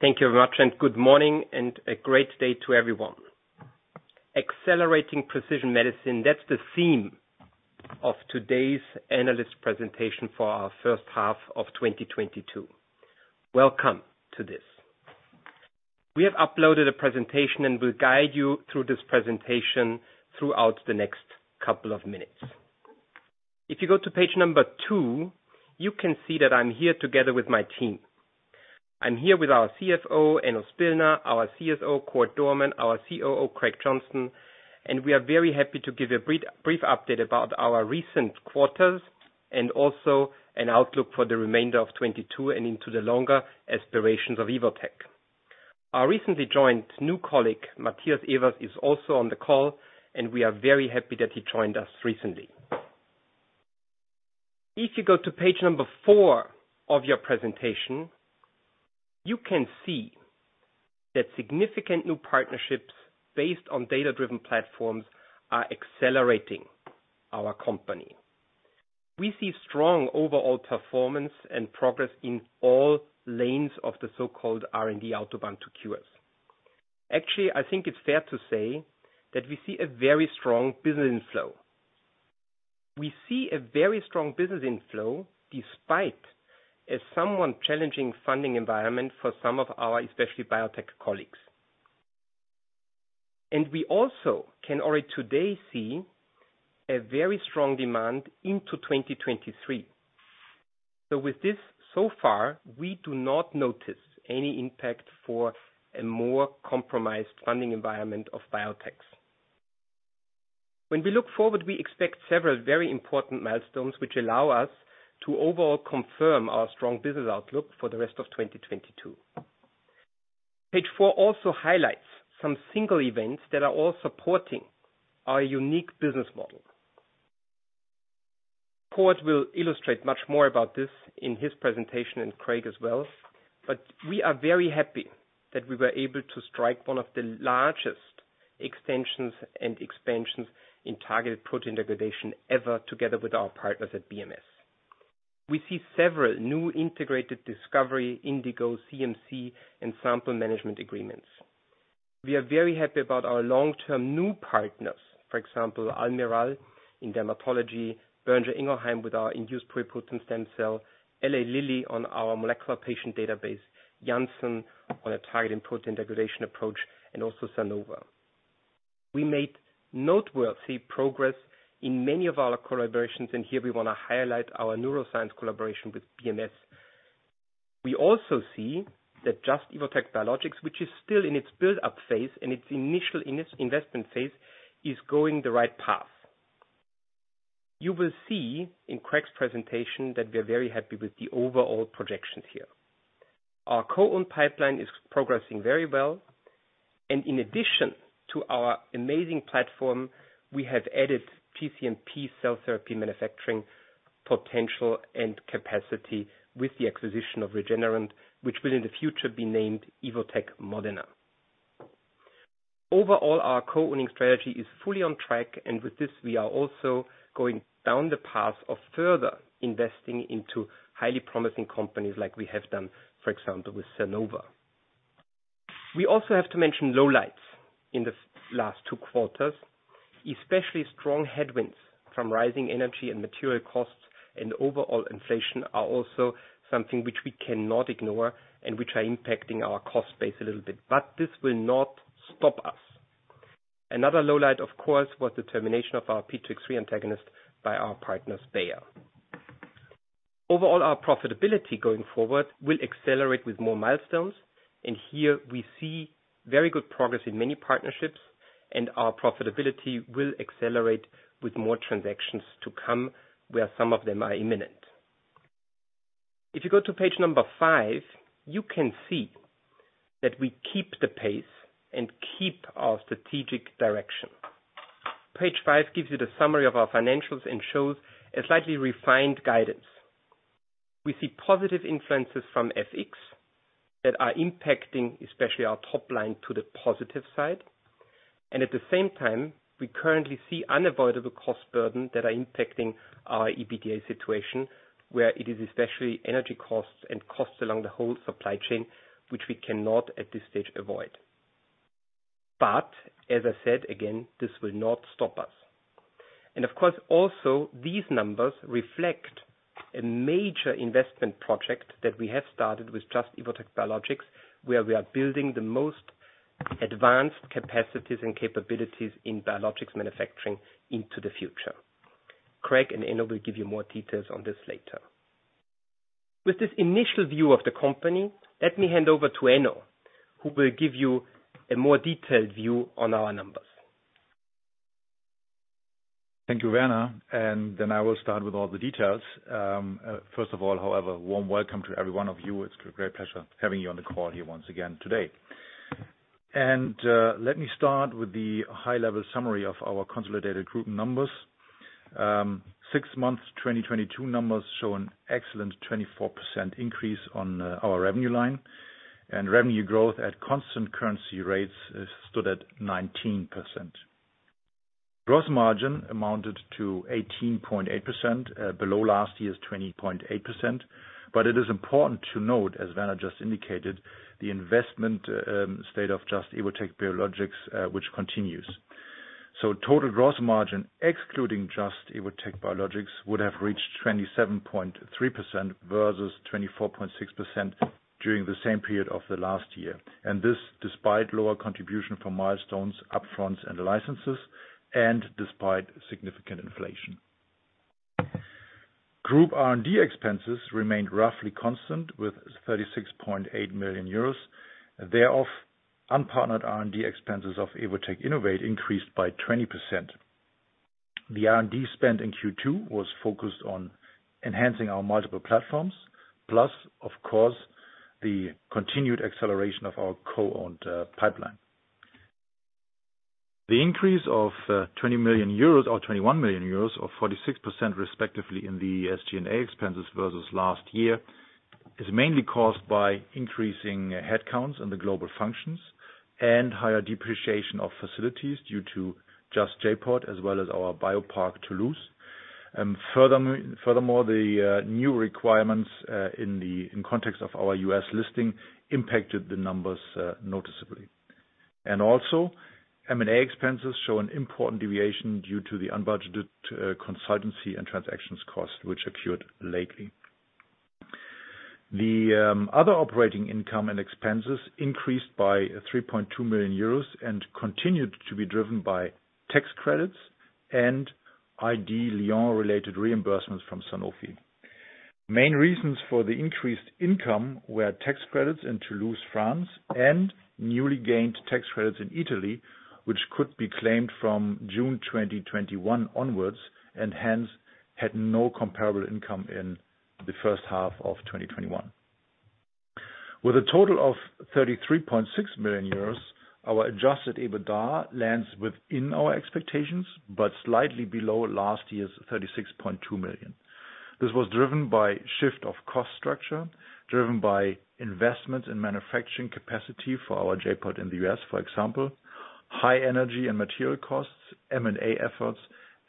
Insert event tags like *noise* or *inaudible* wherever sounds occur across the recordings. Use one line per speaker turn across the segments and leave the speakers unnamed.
Thank you very much and good morning and a great day to everyone. Accelerating precision medicine, that's the theme of today's Analyst Presentation for our First Half of 2022. Welcome to this. We have uploaded a presentation, and we'll guide you through this presentation throughout the next couple of minutes. If you go to page number two, you can see that I'm here together with my team. I'm here with our CFO, Enno Spillner, our CSO, Cord Dohrmann, our COO, Craig Johnstone, and we are very happy to give a brief update about our recent quarters and also an outlook for the remainder of 2022 and into the longer aspirations of Evotec. Our recently joined new colleague, Matthias Evers, is also on the call, and we are very happy that he joined us recently. If you go to page four of your presentation, you can see that significant new partnerships based on data-driven platforms are accelerating our company. We see strong overall performance and progress in all lanes of the so-called R&D Autobahn to Cures. Actually, I think it's fair to say that we see a very strong business flow. We see a very strong business inflow despite a somewhat challenging funding environment for some of our especially biotech colleagues. We also can already today see a very strong demand into 2023. With this so far, we do not notice any impact for a more compromised funding environment of biotechs. When we look forward, we expect several very important milestones which allow us to overall confirm our strong business outlook for the rest of 2022. Page four also highlights some single events that are all supporting our unique business model. Cord will illustrate much more about this in his presentation and Craig as well, but we are very happy that we were able to strike one of the largest extensions and expansions in targeted protein degradation ever together with our partners at BMS. We see several new integrated discovery, INDiGO, CMC, and sample management agreements. We are very happy about our long-term new partners, for example, Almirall in dermatology, Boehringer Ingelheim with our induced pluripotent stem cell, Eli Lilly on our molecular patient database, Janssen on a targeted protein degradation approach, and also Sanofi. We made noteworthy progress in many of our collaborations, and here we want to highlight our neuroscience collaboration with BMS. We also see that Just - Evotec Biologics, which is still in its build-up phase and its initial investment phase, is going the right path. You will see in Craig's presentation that we are very happy with the overall projections here. Our co-owned pipeline is progressing very well, and in addition to our amazing platform, we have added cGMP cell therapy manufacturing potential and capacity with the acquisition of Rigenerand, which will in the future be named Evotec Modena. Overall, our co-owning strategy is fully on track, and with this, we are also going down the path of further investing into highly promising companies like we have done, for example, with Sernova. We also have to mention lowlights in the last two quarters, especially strong headwinds from rising energy and material costs and overall inflation are also something which we cannot ignore and which are impacting our cost base a little bit. This will not stop us. Another lowlight, of course, was the termination of our P2X3 antagonist by our partners, Bayer. Overall, our profitability going forward will accelerate with more milestones. Here we see very good progress in many partnerships and our profitability will accelerate with more transactions to come where some of them are imminent. If you go to page five, you can see that we keep the pace and keep our strategic direction. Page five gives you the summary of our financials and shows a slightly refined guidance. We see positive influences from FX that are impacting especially our top line to the positive side. At the same time, we currently see unavoidable cost burdens that are impacting our EBITDA situation where it is especially energy costs and costs along the whole supply chain which we cannot at this stage avoid. As I said again, this will not stop us. Of course, also these numbers reflect a major investment project that we have started with Just – Evotec Biologics, where we are building the most advanced capacities and capabilities in biologics manufacturing into the future. Craig and Enno will give you more details on this later. With this initial view of the company, let me hand over to Enno, who will give you a more detailed view on our numbers.
Thank you, Werner. I will start with all the details. First of all, however, warm welcome to every one of you. It's a great pleasure having you on the call here once again today. Let me start with the high-level summary of our consolidated group numbers. Six months, 2022 numbers show an excellent 24% increase on our revenue line, and revenue growth at constant currency rates stood at 19%. Gross margin amounted to 18.8%, below last year's 20.8%. It is important to note, as Werner just indicated, the investment stage of Just - Evotec Biologics, which continues. Total gross margin, excluding Just - Evotec Biologics, would have reached 27.3% versus 24.6% during the same period of the last year. This despite lower contribution from milestones, upfronts and licenses, and despite significant inflation. Group R&D expenses remained roughly constant with 36.8 million euros. Thereof, unpartnered R&D expenses of Evotec Innovate increased by 20%. The R&D spend in Q2 was focused on enhancing our multiple platforms plus, of course, the continued acceleration of our co-owned pipeline. The increase of 20 million euros or 21 million euros or 46% respectively in the SG&A expenses versus last year is mainly caused by increasing headcounts in the global functions and higher depreciation of facilities due to Just J.POD as well as our Biopark Toulouse. Furthermore, the new requirements in context of our U.S. listing impacted the numbers noticeably. Also, M&A expenses show an important deviation due to the unbudgeted consultancy and transactions costs which occurred lately. The other operating income and expenses increased by 3.2 million euros and continued to be driven by tax credits and ID Lyon-related reimbursements from Sanofi. Main reasons for the increased income were tax credits in Toulouse, France, and newly gained tax credits in Italy, which could be claimed from June 2021 onwards, and hence had no comparable income in the first half of 2021. With a total of 33.6 million euros, our adjusted EBITDA lands within our expectations, but slightly below last year's 36.2 million. This was driven by shift of cost structure, driven by investments in manufacturing capacity for our J.POD in the U.S., for example, high energy and material costs, M&A efforts,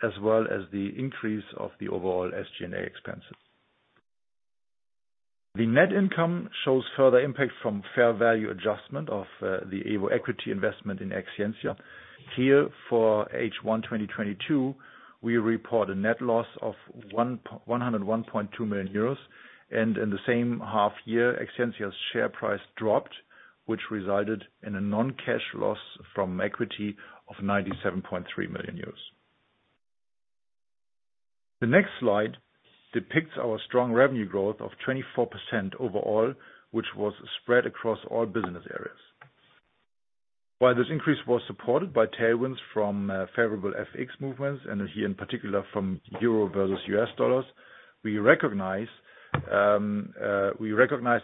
as well as the increase of the overall SG&A expenses. The net income shows further impact from fair value adjustment of the Evo equity investment in Exscientia. Here for H1 2022, we report a net loss of 101.2 million euros, and in the same half year, Exscientia's share price dropped, which resulted in a non-cash loss from equity of 97.3 million euros. The next slide depicts our strong revenue growth of 24% overall, which was spread across all business areas. While this increase was supported by tailwinds from favorable FX movements, and here in particular from euro versus U.S. dollars, we recognize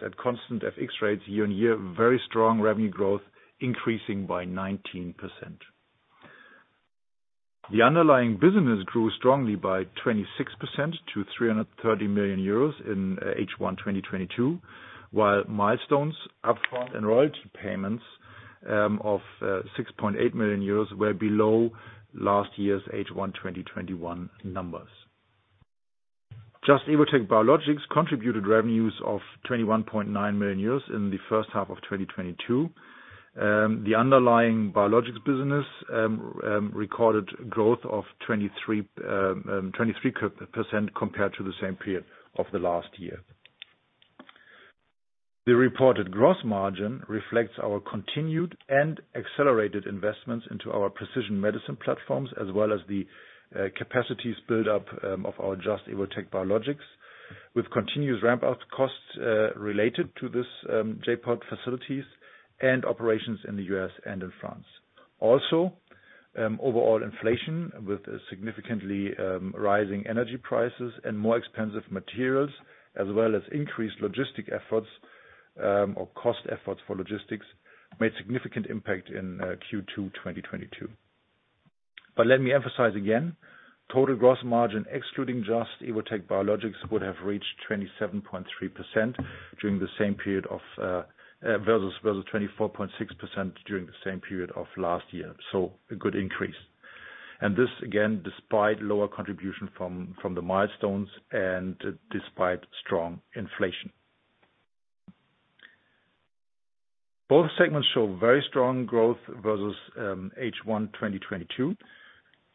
at constant FX rates year-on-year, very strong revenue growth increasing by 19%. The underlying business grew strongly by 26% to 330 million euros in H1 2022, while milestones, upfront and royalty payments of 6.8 million euros were below last year's H1 2021 numbers. Just - Evotec Biologics contributed revenues of 21.9 million euros in the first half of 2022. The underlying biologics business recorded growth of 23% compared to the same period of last year. The reported gross margin reflects our continued and accelerated investments into our precision medicine platforms, as well as the capacity build-up of our Just - Evotec Biologics with continuous ramp-up costs related to this J.POD facilities and operations in the U.S. and in France. Overall inflation with significantly rising energy prices and more expensive materials, as well as increased logistic efforts or cost efforts for logistics, made significant impact in Q2 2022. Let me emphasize again, total gross margin excluding Just – Evotec Biologics would have reached 27.3% during the same period versus 24.6% during the same period of last year. A good increase. This again, despite lower contribution from the milestones and despite strong inflation. Both segments show very strong growth versus H1 2022.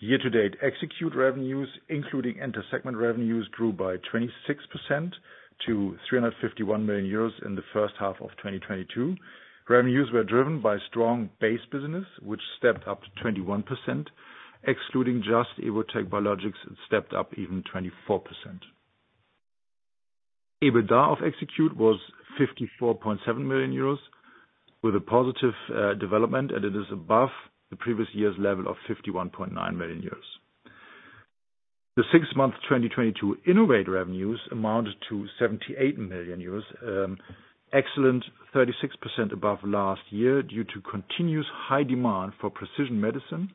Year-to-date Evotec revenues, including inter-segment revenues, grew by 26% to 351 million euros in the first half of 2022. Revenues were driven by strong base business, which stepped up to 21%. Excluding Just – Evotec Biologics, it stepped up even 24%. EBITDA of Evotec was 54.7 million euros with a positive development, and it is above the previous year's level of 51.9 million euros. The six-month 2022 Innovate revenues amounted to 78 million euros, excellent 36% above last year due to continuous high demand for precision medicine,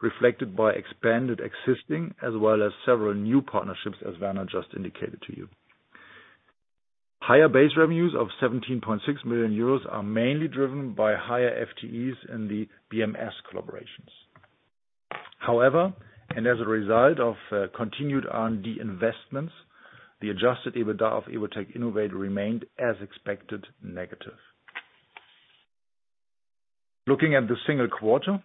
reflected by expanded existing as well as several new partnerships, as Werner just indicated to you. Higher base revenues of 17.6 million euros are mainly driven by higher FTEs in the BMS collaborations. However, as a result of continued R&D investments, the adjusted EBITDA of Evotec Innovate remained as expected, negative. Looking at the single quarter,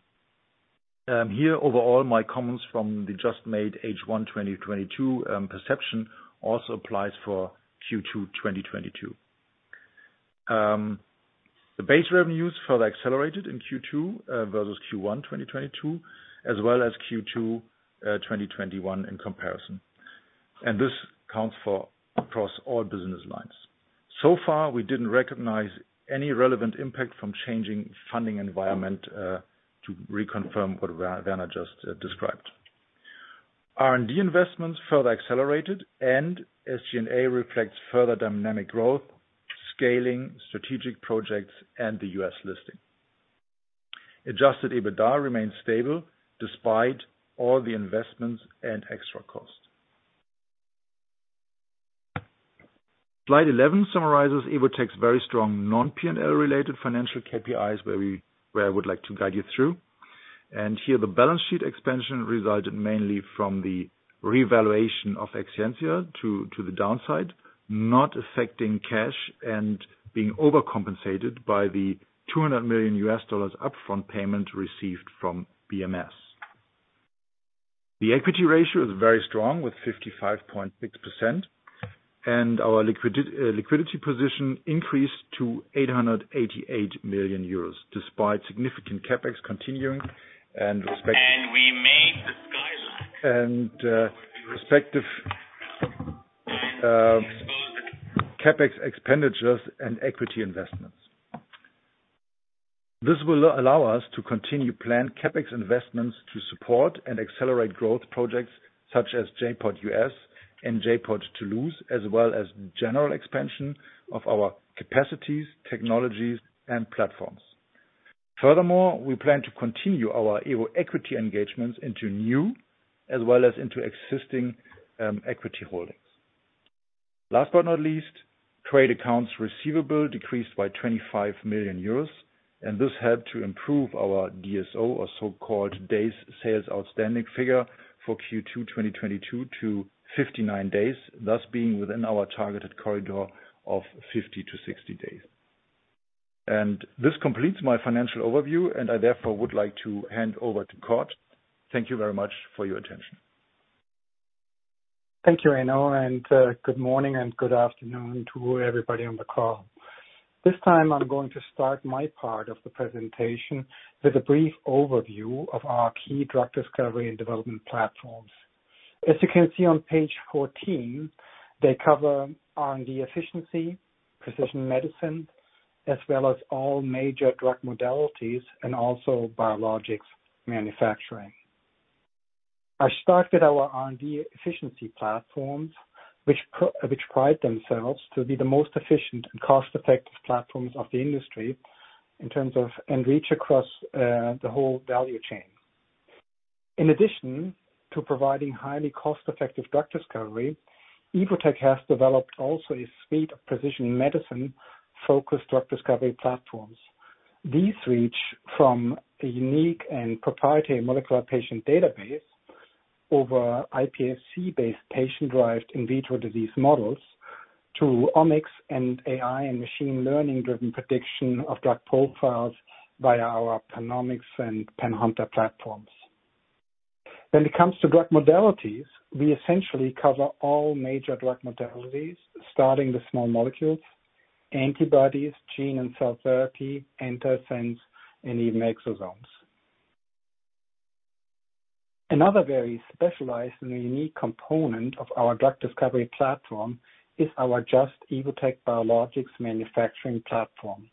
here overall my comments from the just made H1 2022 perception also applies for Q2 2022. The base revenues further accelerated in Q2 versus Q1 2022 as well as Q2 2021 in comparison. This counts across all business lines. So far, we didn't recognize any relevant impact from changing funding environment, to reconfirm what [Werner Lanthaler] just described. R&D investments further accelerated and SG&A reflects further dynamic growth, scaling, strategic projects and the U.S. listing. Adjusted EBITDA remains stable despite all the investments and extra costs. Slide 11 summarizes Evotec's very strong non-P&L related financial KPIs, where I would like to guide you through. Here the balance sheet expansion resulted mainly from the revaluation of Exscientia to the downside, not affecting cash and being overcompensated by the $200 million upfront payment received from BMS. The equity ratio is very strong with 55.6%, and our liquidity position increased to 888 million euros, despite significant CapEx continuing and respect *crosstalk*
We made the skyline.
Respective CapEx expenditures and equity investments. This will allow us to continue plan CapEx investments to support and accelerate growth projects such as J.POD U.S. and J.POD Toulouse, as well as general expansion of our capacities, technologies and platforms. Furthermore, we plan to continue our EVT equity engagements into new as well as into existing equity holdings. Last but not least, trade accounts receivable decreased by 25 million euros, and this helped to improve our DSO or so-called days sales outstanding figure for Q2 2022 to 59 days, thus being within our targeted corridor of 50-60 days. This completes my financial overview, and I therefore would like to hand over to Cord Dohrmann. Thank you very much for your attention.
Thank you, Enno, and good morning and good afternoon to everybody on the call. This time I'm going to start my part of the presentation with a brief overview of our key drug discovery and development platforms. As you can see on page 14, they cover R&D efficiency, precision medicine, as well as all major drug modalities and also biologics manufacturing. I started our R&D efficiency platforms, which pride themselves to be the most efficient and cost-effective platforms of the industry in terms of and reach across the whole value chain. In addition to providing highly cost-effective drug discovery, Evotec has developed also a suite of precision medicine-focused drug discovery platforms. These reach from a unique and proprietary molecular patient database over iPSC-based patient-derived in vitro disease models to omics and AI and machine learning-driven prediction of drug profiles via our PanOmics and PanHunter platforms. When it comes to drug modalities, we essentially cover all major drug modalities, starting with small molecules, antibodies, gene and cell therapy, antisense, and even exosomes. Another very specialized and unique component of our drug discovery platform is our Just - Evotec Biologics manufacturing platform.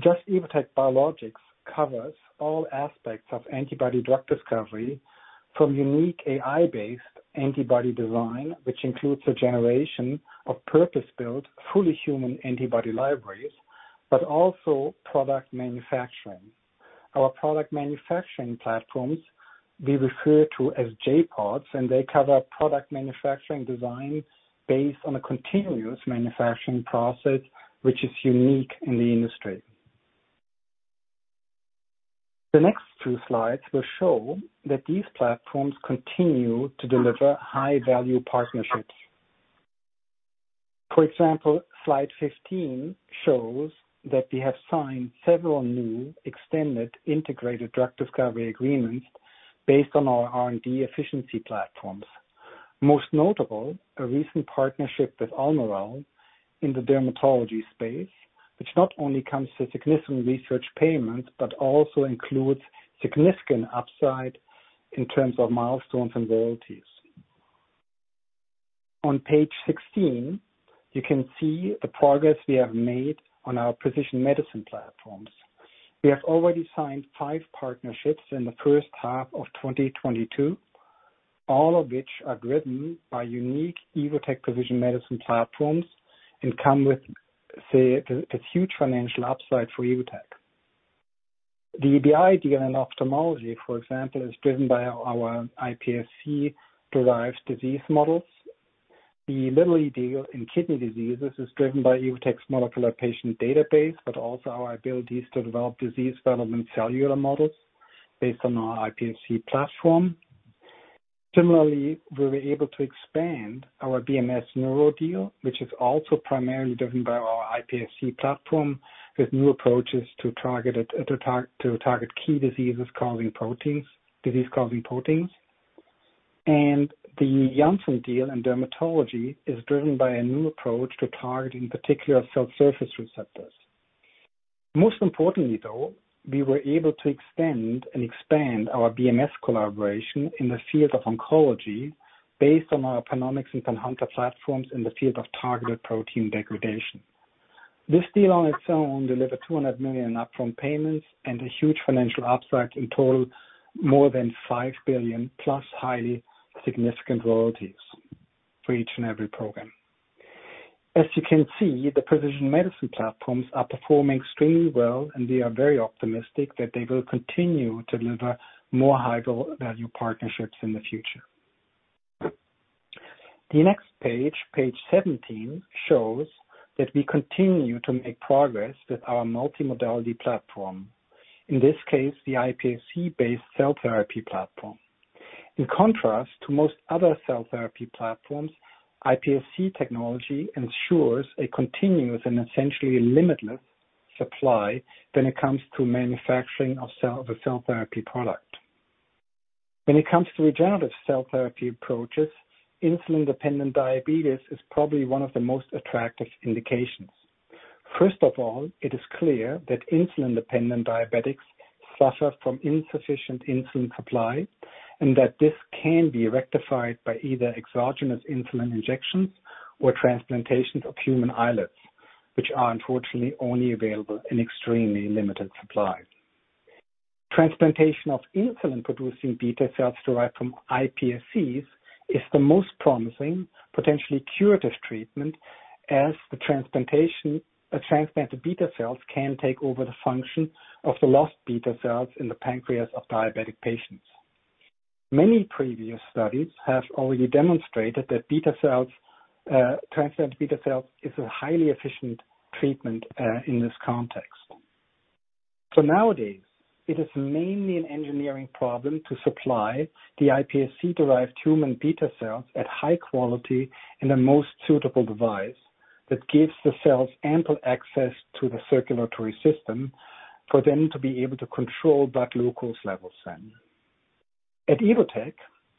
Just - Evotec Biologics covers all aspects of antibody drug discovery from unique AI-based antibody design, which includes a generation of purpose-built, fully human antibody libraries, but also product manufacturing. Our product manufacturing platforms we refer to as J.PODs, and they cover product manufacturing design based on a continuous manufacturing process, which is unique in the industry. The next two slides will show that these platforms continue to deliver high-value partnerships. For example, slide 15 shows that we have signed several new extended integrated drug discovery agreements based on our R&D efficiency platforms. Most notable, a recent partnership with Almirall in the dermatology space, which not only comes with significant research payments, but also includes significant upside in terms of milestones and royalties. On page 16, you can see the progress we have made on our precision medicine platforms. We have already signed five partnerships in the first half of 2022, all of which are driven by unique Evotec precision medicine platforms and come with a huge financial upside for Evotec. The Boehringer Ingelheim deal in ophthalmology, for example, is driven by our iPSC-derived disease models. The Eli Lilly in kidney diseases is driven by Evotec's molecular patient database, but also our abilities to develop disease relevant cellular models based on our iPSC platform. Similarly, we were able to expand our BMS neuro deal, which is also primarily driven by our iPSC platform, with new approaches to target key disease-causing proteins. The Janssen deal in dermatology is driven by a new approach to targeting particular cell surface receptors. Most importantly, though, we were able to extend and expand our BMS collaboration in the field of oncology based on our PanOmics and PanHunter platforms in the field of targeted protein degradation. This deal on its own delivered $200 million upfront payments and a huge financial upside, in total more than $5 billion, plus highly significant royalties for each and every program. As you can see, the precision medicine platforms are performing extremely well, and we are very optimistic that they will continue to deliver more high value partnerships in the future. The next page 17, shows that we continue to make progress with our multimodality platform, in this case, the iPSC-based cell therapy platform. In contrast to most other cell therapy platforms, iPSC technology ensures a continuous and essentially limitless supply when it comes to manufacturing of the cell therapy product. When it comes to regenerative cell therapy approaches, insulin-dependent diabetes is probably one of the most attractive indications. First of all, it is clear that insulin-dependent diabetics suffer from insufficient insulin supply, and that this can be rectified by either exogenous insulin injections or transplantations of human islets, which are unfortunately only available in extremely limited supply. Transplantation of insulin-producing beta cells derived from iPSCs is the most promising, potentially curative treatment, as a transplanted beta cells can take over the function of the lost beta cells in the pancreas of diabetic patients. Many previous studies have already demonstrated that beta cells, transplanted beta cells is a highly efficient treatment, in this context. Nowadays it is mainly an engineering problem to supply the iPSC-derived human beta cells at high quality in the most suitable device that gives the cells ample access to the circulatory system for them to be able to control blood glucose levels then. At Evotec,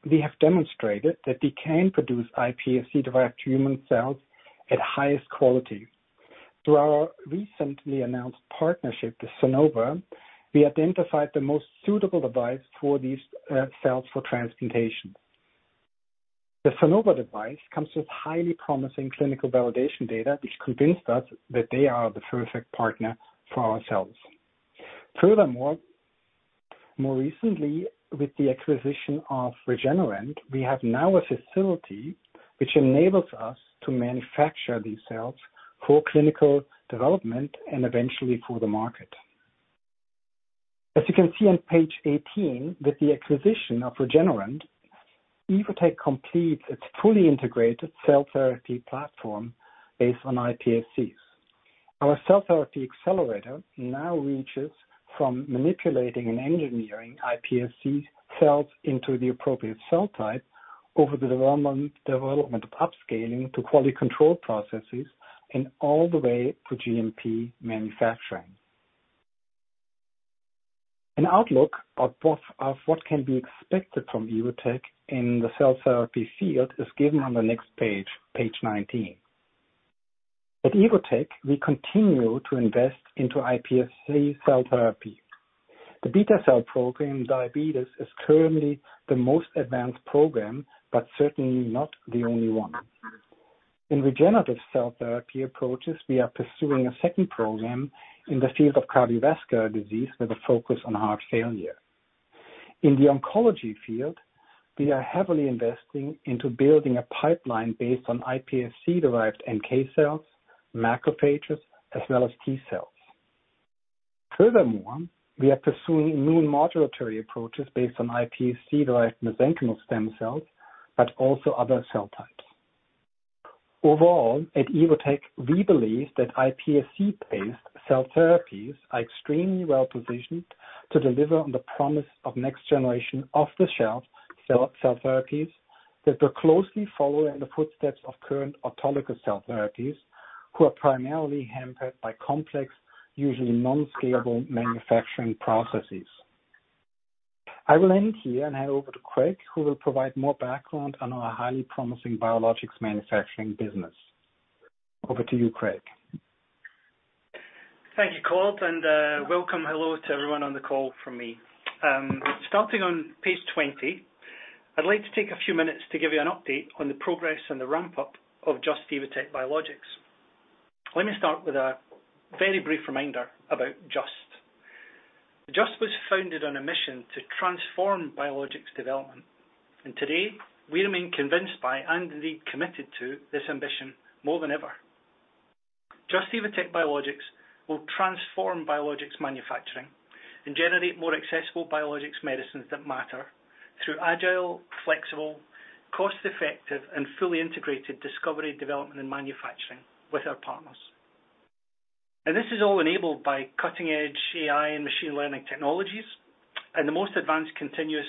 we have demonstrated that we can produce iPSC-derived human cells at highest quality. Through our recently announced partnership with Sernova, we identified the most suitable device for these, cells for transplantation. The Sernova device comes with highly promising clinical validation data, which convinced us that they are the perfect partner for ourselves. Furthermore, more recently, with the acquisition of Rigenerand, we have now a facility which enables us to manufacture these cells for clinical development and eventually for the market. As you can see on page 18, with the acquisition of Rigenerand, Evotec completes its fully integrated cell therapy platform based on iPSCs. Our cell therapy accelerator now reaches from manipulating and engineering iPSC cells into the appropriate cell type over the development of upscaling to quality control processes and all the way for GMP manufacturing. An outlook of both of what can be expected from Evotec in the cell therapy field is given on the next page 19. At Evotec, we continue to invest into iPSC cell therapy. The beta cell program diabetes is currently the most advanced program, but certainly not the only one. In regenerative cell therapy approaches, we are pursuing a second program in the field of cardiovascular disease with a focus on heart failure. In the oncology field, we are heavily investing into building a pipeline based on iPSC-derived NK cells, macrophages, as well as T-cells. Furthermore, we are pursuing immune modulatory approaches based on iPSC-derived mesenchymal stem cells, but also other cell types. Overall, at Evotec we believe that iPSC-based cell therapies are extremely well-positioned to deliver on the promise of next generation off-the-shelf cell therapies that will closely follow in the footsteps of current autologous cell therapies who are primarily hampered by complex, usually non-scalable manufacturing processes. I will end here and hand over to Craig, who will provide more background on our highly promising biologics manufacturing business. Over to you, Craig.
Thank you, Cord Dohrmann, and welcome. Hello to everyone on the call from me. Starting on page 20, I'd like to take a few minutes to give you an update on the progress and the ramp up of Just – Evotec Biologics. Let me start with a very brief reminder about Just. Just was founded on a mission to transform biologics development, and today we remain convinced by and indeed committed to this ambition more than ever. Just – Evotec Biologics will transform biologics manufacturing and generate more accessible biologics medicines that matter through agile, flexible, cost-effective, and fully integrated discovery, development, and manufacturing with our partners. This is all enabled by cutting-edge AI and machine learning technologies and the most advanced continuous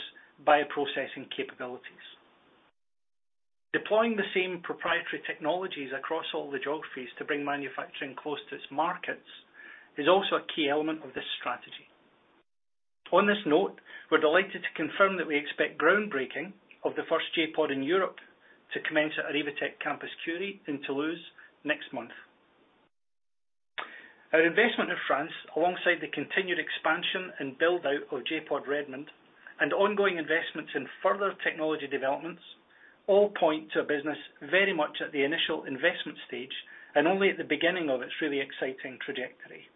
bioprocessing capabilities. Deploying the same proprietary technologies across all the geographies to bring manufacturing close to its markets is also a key element of this strategy. On this note, we're delighted to confirm that we expect groundbreaking of the first J.POD in Europe to commence at Evotec Campus Curie in Toulouse next month. Our investment in France, alongside the continued expansion and build-out of J.POD Redmond and ongoing investments in further technology developments, all point to a business very much at the initial investment stage and only at the beginning of its really exciting trajectory.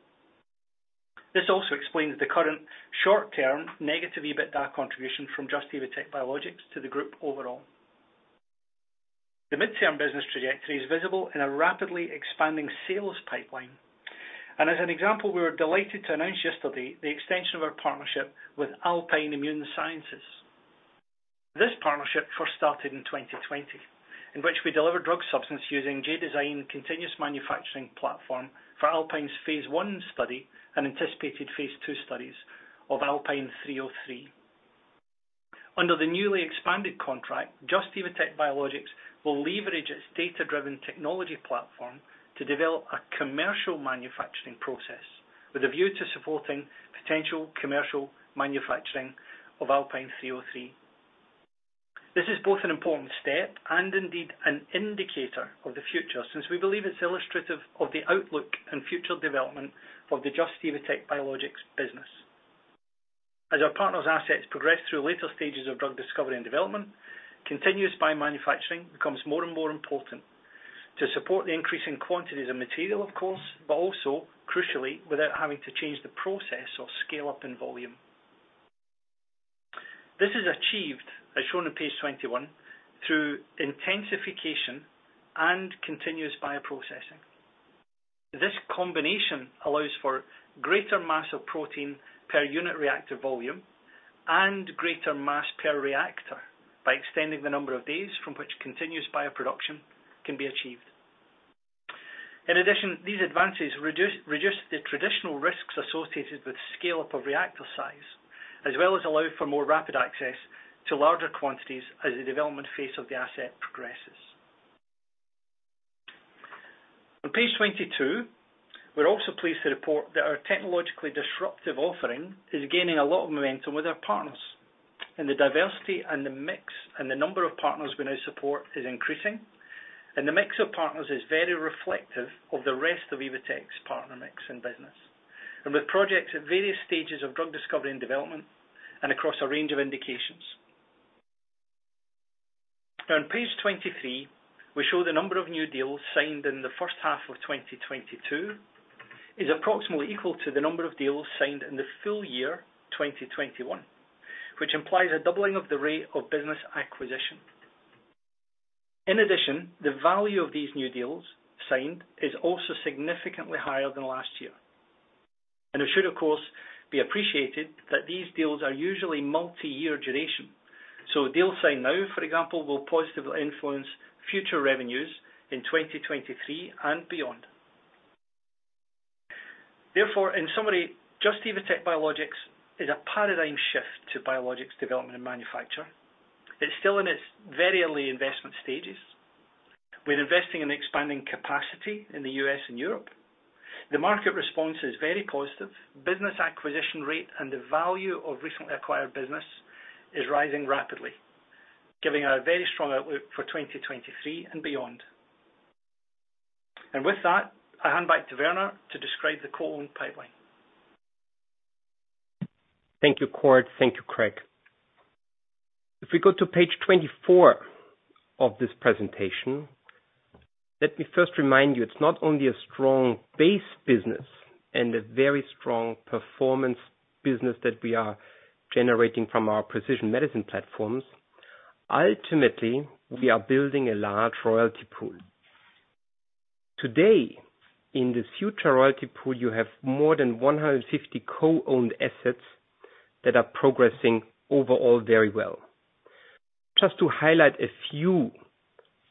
This also explains the current short-term negative EBITDA contribution from Just – Evotec Biologics to the group overall. The midterm business trajectory is visible in a rapidly expanding sales pipeline. As an example, we were delighted to announce yesterday the extension of our partnership with Alpine Immune Sciences. This partnership first started in 2020, in which we delivered drug substance using J.DESIGN continuous manufacturing platform for Alpine's phase I study and anticipated phase II studies of Alpine 303. Under the newly expanded contract, Just – Evotec Biologics will leverage its data-driven technology platform to develop a commercial manufacturing process with a view to supporting potential commercial manufacturing of Alpine 303. This is both an important step and indeed an indicator of the future, since we believe it's illustrative of the outlook and future development of the Just – Evotec Biologics business. As our partner's assets progress through later stages of drug discovery and development, continuous biomanufacturing becomes more and more important to support the increasing quantities of material, of course, but also, crucially, without having to change the process or scale up in volume. This is achieved, as shown on page 21, through intensification and continuous bioprocessing. This combination allows for greater mass of protein per unit reactor volume and greater mass per reactor by extending the number of days from which continuous bioproduction can be achieved. In addition, these advances reduce the traditional risks associated with scale-up of reactor size, as well as allow for more rapid access to larger quantities as the development phase of the asset progresses. On page 22, we're also pleased to report that our technologically disruptive offering is gaining a lot of momentum with our partners and the diversity and the mix and the number of partners we now support is increasing. The mix of partners is very reflective of the rest of Evotec's partner mix and business. With projects at various stages of drug discovery and development and across a range of indications. Now, on page 23, we show the number of new deals signed in the first half of 2022 is approximately equal to the number of deals signed in the full year 2021, which implies a doubling of the rate of business acquisition. In addition, the value of these new deals signed is also significantly higher than last year. It should, of course, be appreciated that these deals are usually multi-year duration. Deals signed now, for example, will positively influence future revenues in 2023 and beyond. Therefore, in summary, Just - Evotec Biologics is a paradigm shift to biologics development and manufacture. It's still in its very early investment stages. We're investing in expanding capacity in the U.S. and Europe. The market response is very positive. Business acquisition rate and the value of recently acquired business is rising rapidly, giving a very strong outlook for 2023 and beyond. With that, I hand back to Werner to describe the co-owned pipeline.
Thank you, Cord. Thank you, Craig. If we go to page 24 of this presentation, let me first remind you, it's not only a strong base business and a very strong performance business that we are generating from our precision medicine platforms. Ultimately, we are building a large royalty pool. Today, in the future royalty pool, you have more than 150 co-owned assets that are progressing overall very well. Just to highlight a few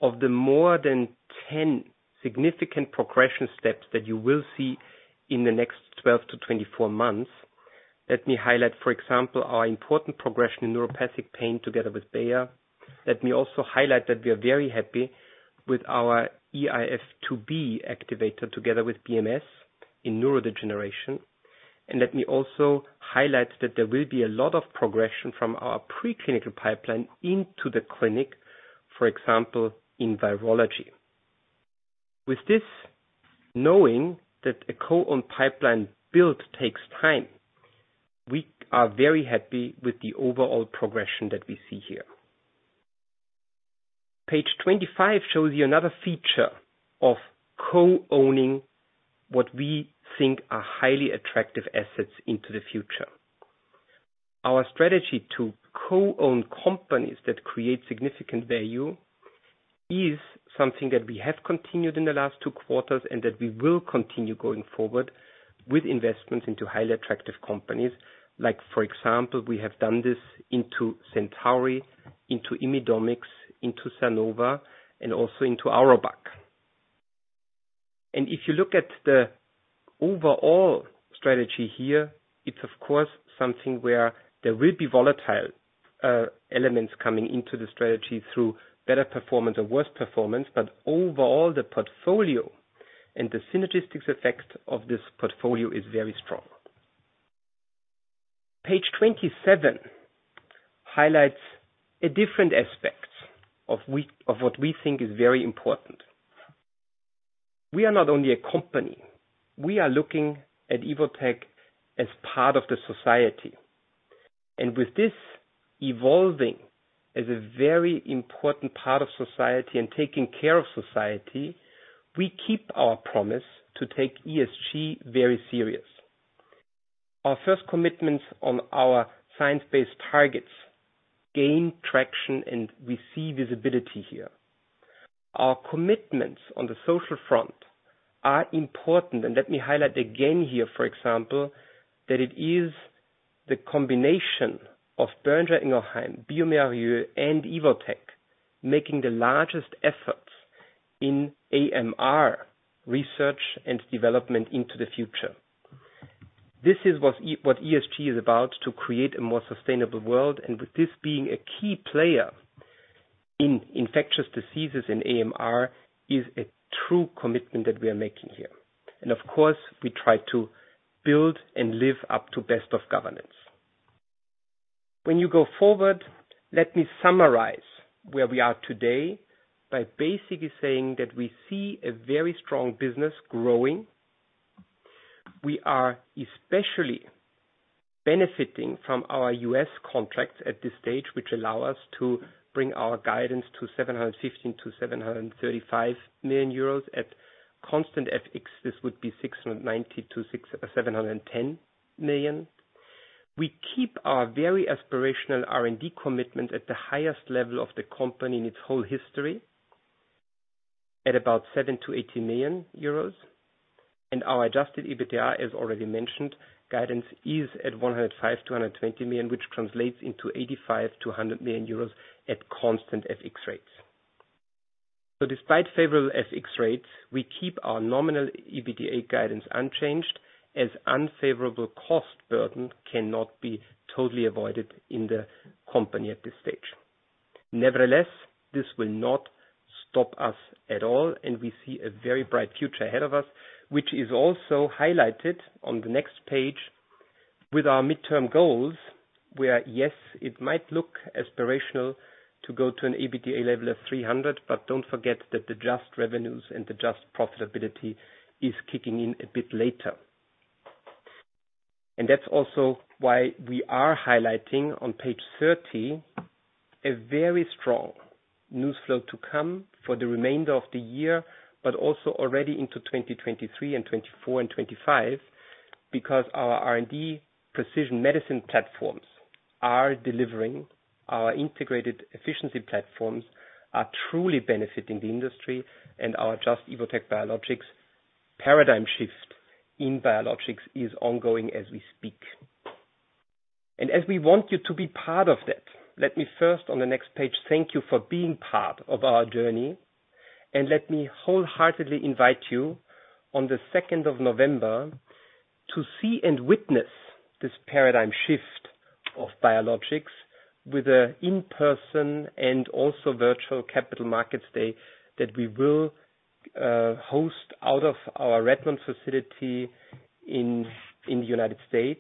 of the more than 10 significant progression steps that you will see in the next 12-24 months. Let me highlight, for example, our important progression in neuropathic pain together with Bayer. Let me also highlight that we are very happy with our eIF2B activator together with BMS in neurodegeneration. Let me also highlight that there will be a lot of progression from our preclinical pipeline into the clinic, for example, in virology. With this, knowing that a co-owned pipeline build takes time, we are very happy with the overall progression that we see here. Page 25 shows you another feature of co-owning what we think are highly attractive assets into the future. Our strategy to co-own companies that create significant value is something that we have continued in the last two quarters and that we will continue going forward with investments into highly attractive companies. Like for example, we have done this into Centauri, into IMIDomics, into Sanova, and also into Aurobac. If you look at the overall strategy here, it's of course something where there will be volatile elements coming into the strategy through better performance or worse performance. Overall, the portfolio and the synergistic effect of this portfolio is very strong. Page 27 highlights a different aspect of what we think is very important. We are not only a company, we are looking at Evotec as part of the society. With this evolving as a very important part of society and taking care of society, we keep our promise to take ESG very serious. Our first commitments on our science-based targets gain traction, and we see visibility here. Our commitments on the social front are important, and let me highlight again here, for example, that it is the combination of Boehringer Ingelheim, bioMérieux, and Evotec making the largest efforts in AMR research and development into the future. This is what ESG is about, to create a more sustainable world, and with this being a key player in infectious diseases in AMR is a true commitment that we are making here. Of course, we try to build and live up to best of governance. When you go forward, let me summarize where we are today by basically saying that we see a very strong business growing. We are especially benefiting from our U.S. contracts at this stage, which allow us to bring our guidance to 715 million-735 million euros. At constant FX, this would be 690 million-710 million. We keep our very aspirational R&D commitment at the highest level of the company in its whole history at about 70 million-80 million euros. Our adjusted EBITDA, as already mentioned, guidance is at 105 million-120 million, which translates into 85 million-100 million euros at constant FX rates. Despite favorable FX rates, we keep our nominal EBITDA guidance unchanged as unfavorable cost burden cannot be totally avoided in the company at this stage. Nevertheless, this will not stop us at all, and we see a very bright future ahead of us, which is also highlighted on the next page with our midterm goals, where, yes, it might look aspirational to go to an EBITDA level of 300 million, but don't forget that the adjusted revenues and the adjusted profitability is kicking in a bit later. That's also why we are highlighting on page 30 a very strong news flow to come for the remainder of the year, but also already into 2023 and 2024 and 2025, because our R&D precision medicine platforms are delivering, our integrated efficiency platforms are truly benefiting the industry, and our Just - Evotec Biologics paradigm shift in biologics is ongoing as we speak. As we want you to be part of that, let me first on the next page thank you for being part of our journey, and let me wholeheartedly invite you on November 2nd to see and witness this paradigm shift of biologics with an in-person and also virtual capital markets day that we will host out of our Redmond facility in the U.S.,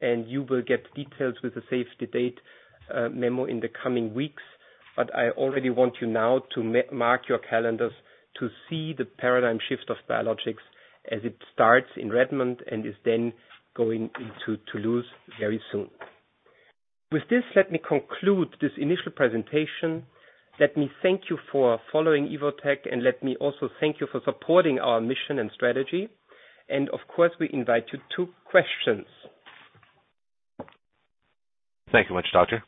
and you will get details with a save-the-date memo in the coming weeks. I already want you now to mark your calendars to see the paradigm shift of Biologics as it starts in Redmond and is then going into Toulouse very soon. With this, let me conclude this initial presentation. Let me thank you for following Evotec, and let me also thank you for supporting our mission and strategy, and of course, we invite you to questions.
Thank you much, doctor.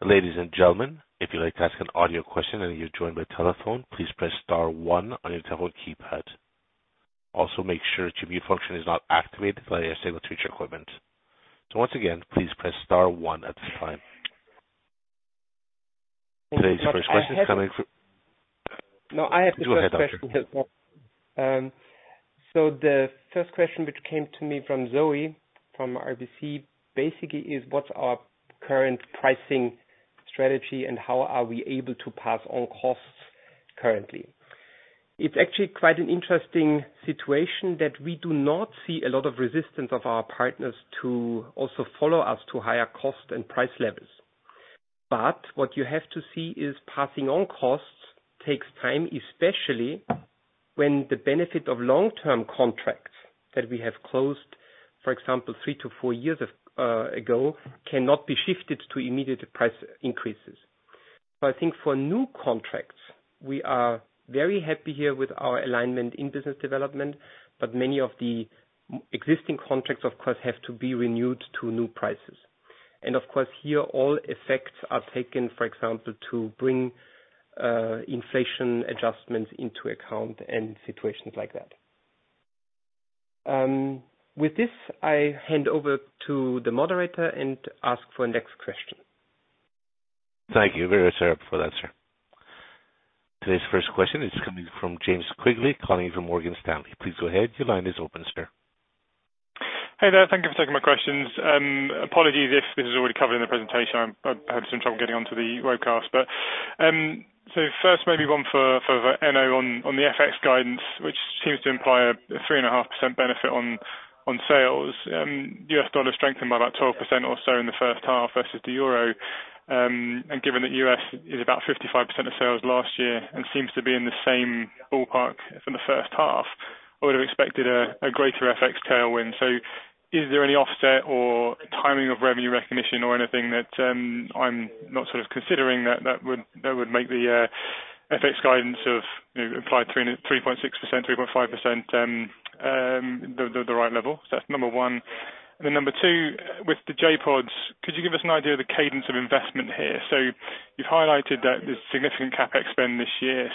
Ladies and gentlemen, if you'd like to ask an audio question and you're joined by telephone, please press star one on your telephone keypad. Also, make sure mute function is not activated by speakerphone equipment. Once again, please press star one at this time.
Thank you very much.
Today's first question coming *crosstalk*
No, I have the *crosstalk* first question.
Go ahead, Doctor.
The first question which came to me from Zoe, from RBC, basically is what's our current pricing strategy, and how are we able to pass on costs currently? It's actually quite an interesting situation that we do not see a lot of resistance of our partners to also follow us to higher cost and price levels. What you have to see is passing on costs takes time, especially when the benefit of long-term contracts that we have closed, for example, three-four years ago, cannot be shifted to immediate price increases. I think for new contracts, we are very happy here with our alignment in business development, but many of the existing contracts of course have to be renewed to new prices. Of course here all effects are taken, for example, to bring inflation adjustments into account and situations like that. With this, I hand over to the moderator and ask for next question.
Thank you very much, sir, for that, sir. Today's first question is coming from James Quigley calling in from Morgan Stanley. Please go ahead. Your line is open, sir.
Hey there. Thank you for taking my questions. Apologies if this is already covered in the presentation. I've had some trouble getting onto the webcast. First, maybe one for Enno on the FX guidance, which seems to imply a 3.5% benefit on sales. U.S. dollar strengthened by about 12% or so in the first half versus the euro. Given that U.S. is about 55% of sales last year and seems to be in the same ballpark for the first half, I would have expected a greater FX tailwind. Is there any offset or timing of revenue recognition or anything that I'm not sort of considering that would make the FX guidance of applied 3.5%. 3.6%, 3.5%, the right level? That's number one. Then number two, with the J.PODs, could you give us an idea of the cadence of investment here? You've highlighted that there's significant CapEx spend this year.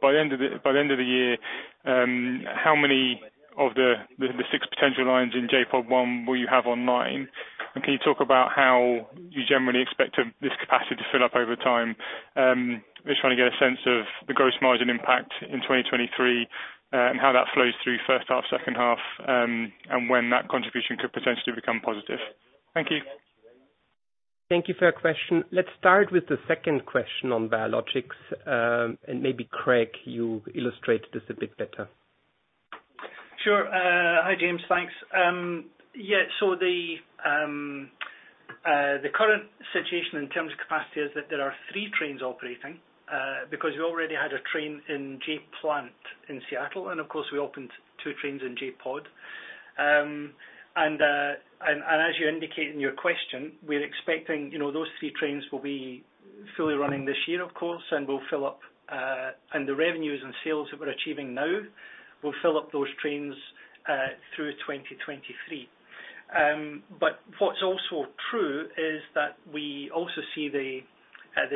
By the end of the year, how many of the six potential lines in J.POD 1 will you have online? And can you talk about how you generally expect this capacity to fill up over time? Just trying to get a sense of the gross margin impact in 2023, and how that flows through first half, second half, and when that contribution could potentially become positive. Thank you.
Thank you for your question. Let's start with the second question on biologics. Maybe Craig, you illustrate this a bit better.
Sure. Hi, James. Thanks. Yeah, the current situation in terms of capacity is that there are three trains operating, because we already had a train in J.PLANT in Seattle, and of course, we opened two trains in J.POD. As you indicate in your question, we're expecting, you know, those three trains will be fully running this year, of course, and will fill up, and the revenues and sales that we're achieving now will fill up those trains through 2023. What's also true is that we also see the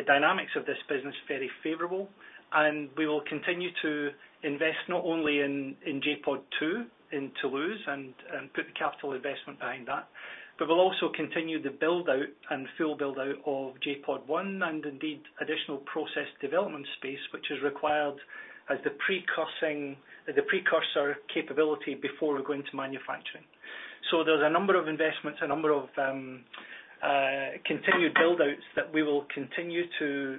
dynamics of this business very favorable, and we will continue to invest not only in J.POD 2 in Toulouse and put the capital investment behind that, but we'll also continue the build-out and full build-out of J.POD 1 and indeed additional process development space, which is required as the precursor capability before we go into manufacturing. There's a number of investments, a number of continued build-outs that we will continue to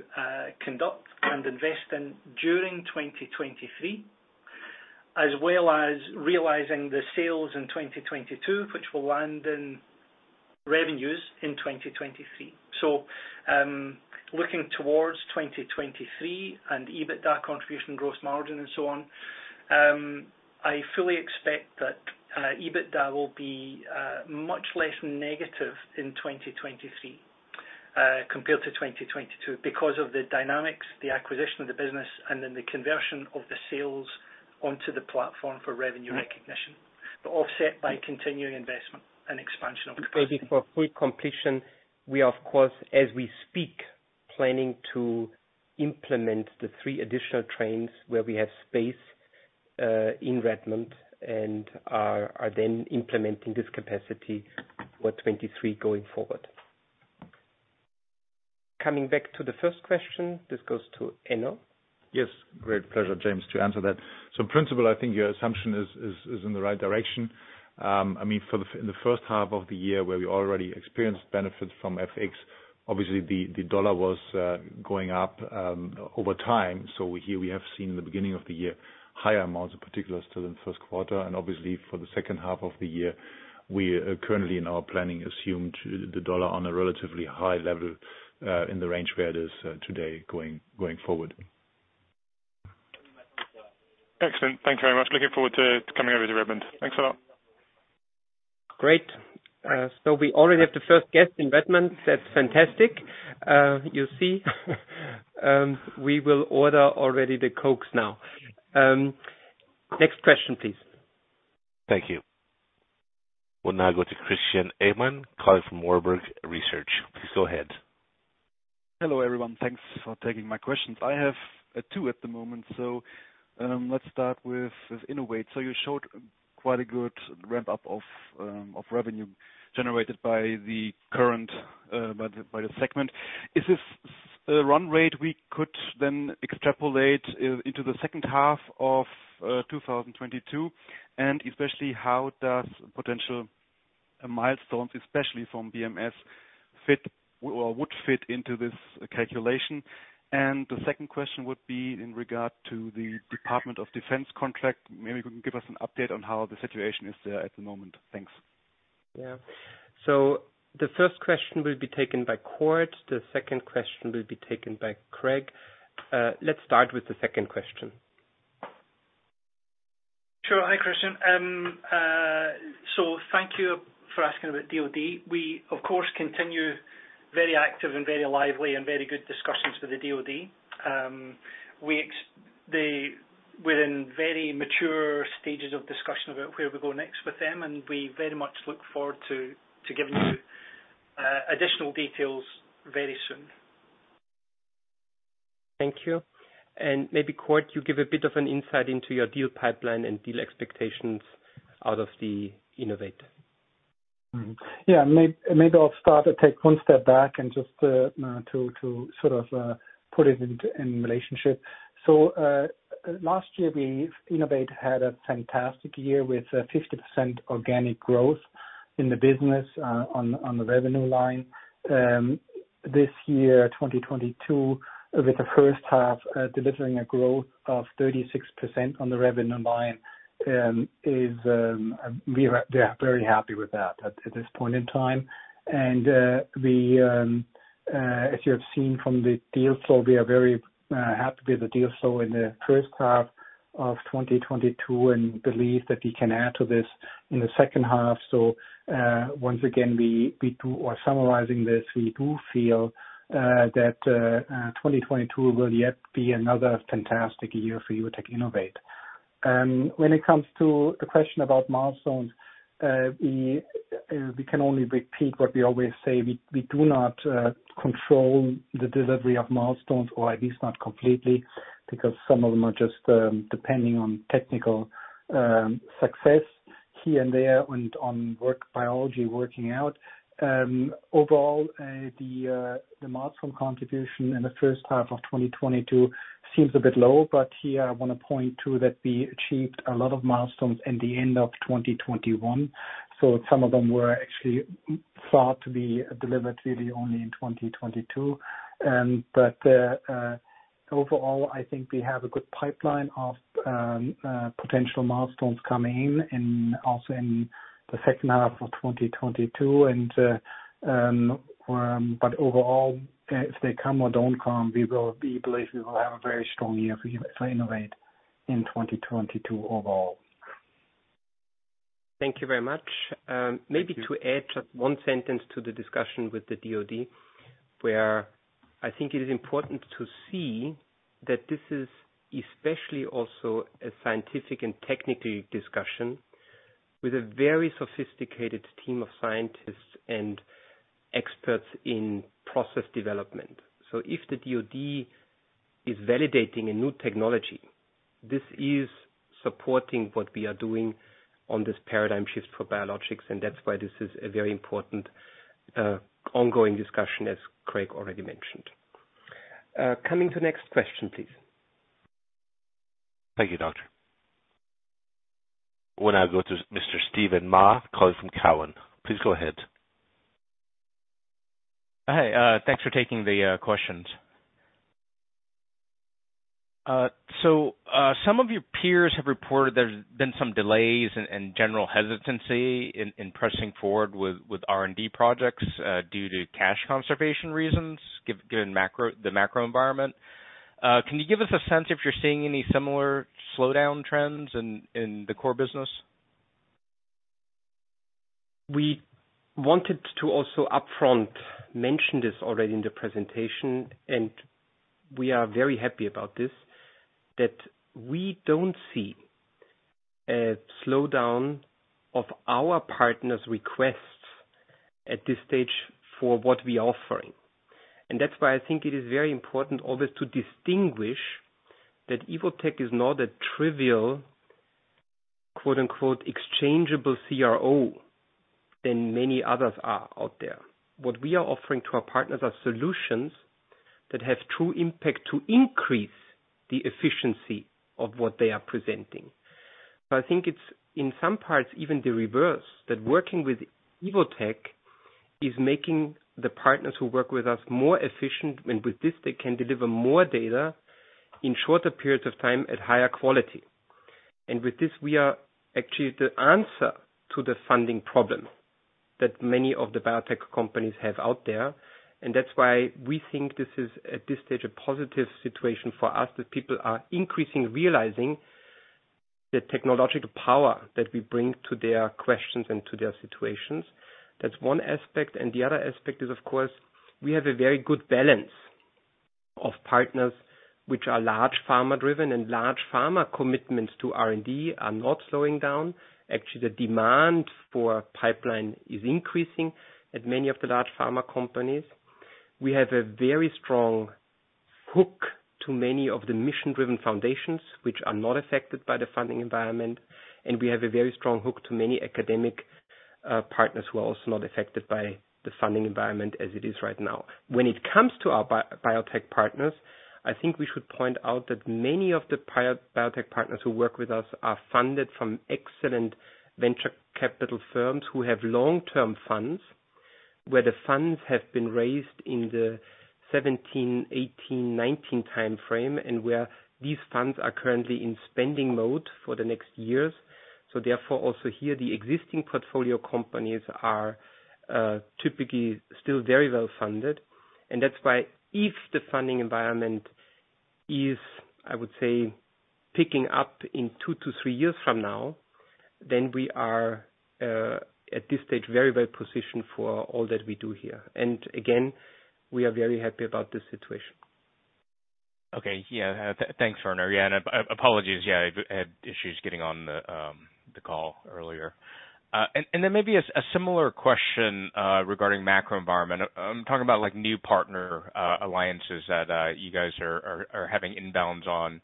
conduct and invest in during 2023, as well as realizing the sales in 2022, which will land in revenues in 2023. Looking towards 2023 and EBITDA contribution gross margin and so on, I fully expect that EBITDA will be much less negative in 2023 compared to 2022 because of the dynamics, the acquisition of the business, and then the conversion of the sales onto the platform for revenue recognition, but offset by continuing investment and expansion of capacity.
Maybe for full completion, we of course, as we speak, planning to implement the three additional trains where we have space in Redmond and are then implementing this capacity for 2023 going forward. Coming back to the first question, this goes to Enno.
Yes. Great pleasure, James, to answer that. In principle, I think your assumption is in the right direction. I mean, for the first half of the year where we already experienced benefits from FX, obviously the U.S. dollar was going up over time. Here we have seen in the beginning of the year, higher amounts in particular still in first quarter. Obviously for the second half of the year, we currently in our planning assumed the U.S. dollar on a relatively high level in the range where it is today going forward.
Excellent. Thank you very much. Looking forward to coming over to Redmond. Thanks a lot.
Great. We already have the first guest in Redmond. That's fantastic. You see, we will order already the Coke now. Next question, please.
Thank you. We'll now go to Christian Ehmann calling from Warburg Research. Please go ahead.
Hello, everyone. Thanks for taking my questions. I have two at the moment. Let's start with Innovate. You showed quite a good ramp-up of revenue generated by the segment. Is this a run rate we could then extrapolate into the second half of 2022? Especially how does potential milestones, especially from BMS, fit or would fit into this calculation? The second question would be in regard to the Department of Defense contract. Maybe you can give us an update on how the situation is there at the moment. Thanks.
Yeah. The first question will be taken by Cord. The second question will be taken by Craig. Let's start with the second question.
Sure. Hi, Christian. Thank you for asking about DoD. We, of course, continue very active and very lively and very good discussions with the DoD. We're in very mature stages of discussion about where we go next with them, and we very much look forward to giving you additional details very soon.
Thank you. Maybe, Cord, you give a bit of an insight into your deal pipeline and deal expectations out of the EVT Innovate.
Maybe I'll start to take one step back and just to sort of put it into in relationship. Last year, Innovate had a fantastic year with 50% organic growth in the business on the revenue line. This year, 2022, with the first half delivering a growth of 36% on the revenue line, we are very happy with that at this point in time. As you have seen from the deal flow, we are very happy with the deal flow in the first half of 2022 and believe that we can add to this in the second half. Once again, summarizing this, we do feel that 2022 will yet be another fantastic year for EVT Innovate. When it comes to the question about milestones, we can only repeat what we always say. We do not control the delivery of milestones, or at least not completely because some of them are just depending on technical success here and there and on the biology working out. Overall, the milestone contribution in the first half of 2022 seems a bit low, but here I wanna point to that we achieved a lot of milestones in the end of 2021. Some of them were actually thought to be delivered really only in 2022. Overall, I think we have a good pipeline of potential milestones coming in also in the second half of 2022. Overall, if they come or don't come, we believe we will have a very strong year for EVT Innovate in 2022 overall.
Thank you very much. Maybe to add just one sentence to the discussion with the DoD, where I think it is important to see that this is especially also a scientific and technical discussion with a very sophisticated team of scientists and experts in process development. If the DoD is validating a new technology, this is supporting what we are doing on this paradigm shift for biologics, and that's why this is a very important ongoing discussion, as Craig already mentioned. Coming to next question, please.
Thank you, Doctor. We'll now go to Mr. Steven Mah calling from Cowen. Please go ahead.
Hi. Thanks for taking the questions. Some of your peers have reported there's been some delays and general hesitancy in pressing forward with R&D projects due to cash conservation reasons given the macro environment. Can you give us a sense if you're seeing any similar slowdown trends in the core business?
We wanted to also upfront mention this already in the presentation, and we are very happy about this, that we don't see a slowdown of our partners' requests at this stage for what we're offering. That's why I think it is very important always to distinguish that Evotec is not a trivial, quote-unquote, "exchangeable CRO" than many others are out there. What we are offering to our partners are solutions that have true impact to increase the efficiency of what they are presenting. I think it's, in some parts, even the reverse, that working with Evotec is making the partners who work with us more efficient, and with this they can deliver more data in shorter periods of time at higher quality. With this, we are actually the answer to the funding problem that many of the biotech companies have out there. That's why we think this is, at this stage, a positive situation for us, that people are increasing realizing the technological power that we bring to their questions and to their situations. That's one aspect. The other aspect is, of course, we have a very good balance of partners which are large pharma driven and large pharma commitments to R&D are not slowing down. Actually, the demand for pipeline is increasing at many of the large pharma companies. We have a very strong hook to many of the mission-driven foundations which are not affected by the funding environment, and we have a very strong hook to many academic partners who are also not affected by the funding environment as it is right now. When it comes to our biotech partners, I think we should point out that many of the biotech partners who work with us are funded from excellent venture capital firms who have long-term funds, where the funds have been raised in the 2017, 2018, 2019 time frame, and where these funds are currently in spending mode for the next years. Therefore also here, the existing portfolio companies are typically still very well funded. That's why if the funding environment is, I would say, picking up in two to three years from now, then we are at this stage very well positioned for all that we do here. We are very happy about this situation.
Okay. Yeah. Thanks, Werner. Yeah. Apologies, yeah, I had issues getting on the call earlier. Then maybe a similar question regarding macro environment. I'm talking about, like, new partner alliances that you guys are having inbounds on.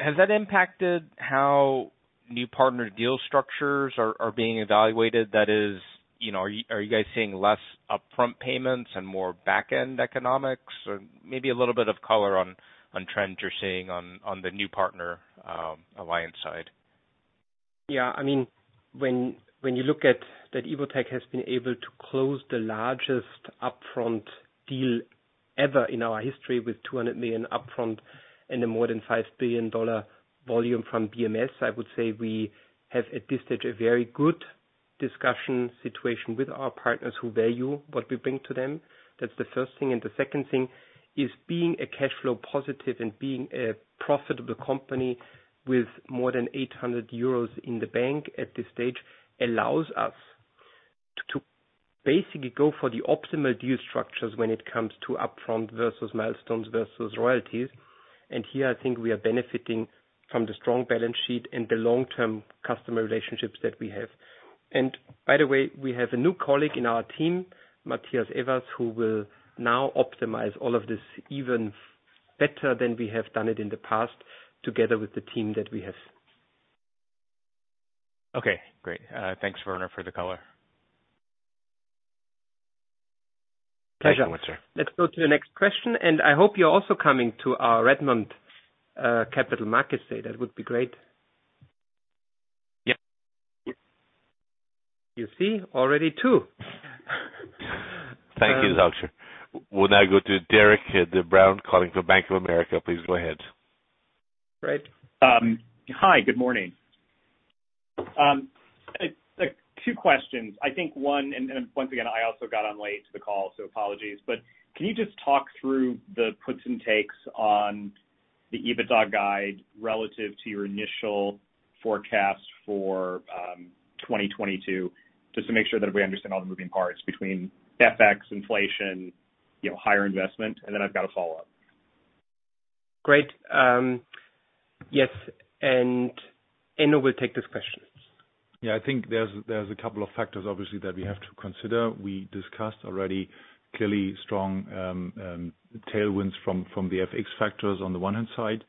Has that impacted how new partner deal structures are being evaluated? That is, you know, are you guys seeing less upfront payments and more back-end economics? Or maybe a little bit of color on trends you're seeing on the new partner alliance side?
Yeah. I mean, when you look at that Evotec has been able to close the largest upfront deal ever in our history with $200 million upfront and more than $5 billion volume from BMS, I would say we have, at this stage, a very good discussion situation with our partners who value what we bring to them. That's the first thing. The second thing is being a cash flow positive and being a profitable company with more than 800 euros in the bank at this stage allows us to basically go for the optimal deal structures when it comes to upfront versus milestones, versus royalties. Here, I think we are benefiting from the strong balance sheet and the long-term customer relationships that we have. By the way, we have a new colleague in our team, Matthias Evers, who will now optimize all of this even better than we have done it in the past together with the team that we have.
Okay, great. Thanks, Werner, for the color.
Pleasure.
Thank you once again.
Let's go to the next question. I hope you're also coming to our Redmond, Capital Markets Day. That would be great.
Yeah.
You see? Already two.
Thank you, doctor. We'll now go to Derek Brown calling from Bank of America. Please go ahead.
Great.
Hi, good morning. Two questions. I think one, and once again, I also got on late to the call, so apologies. Can you just talk through the puts and takes on the EBITDA guide relative to your initial forecast for 2022, just to make sure that we understand all the moving parts between FX, inflation, you know, higher investment, and then I've got a follow-up.
Great. Yes, and Enno will take this question.
Yeah. I think there's a couple of factors obviously that we have to consider. We discussed already clearly strong tailwinds from the FX factors on the one hand side,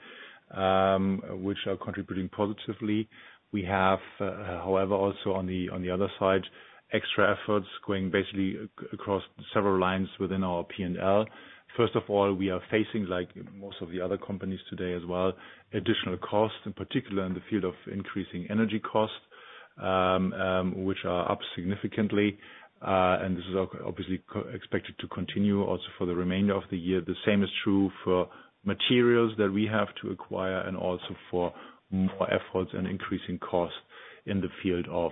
which are contributing positively. We have however, also on the other side, extra efforts going basically across several lines within our P&L. First of all, we are facing, like most of the other companies today as well, additional costs, in particular in the field of increasing energy costs, which are up significantly. This is obviously expected to continue also for the remainder of the year. The same is true for materials that we have to acquire and also for more efforts and increasing costs in the field of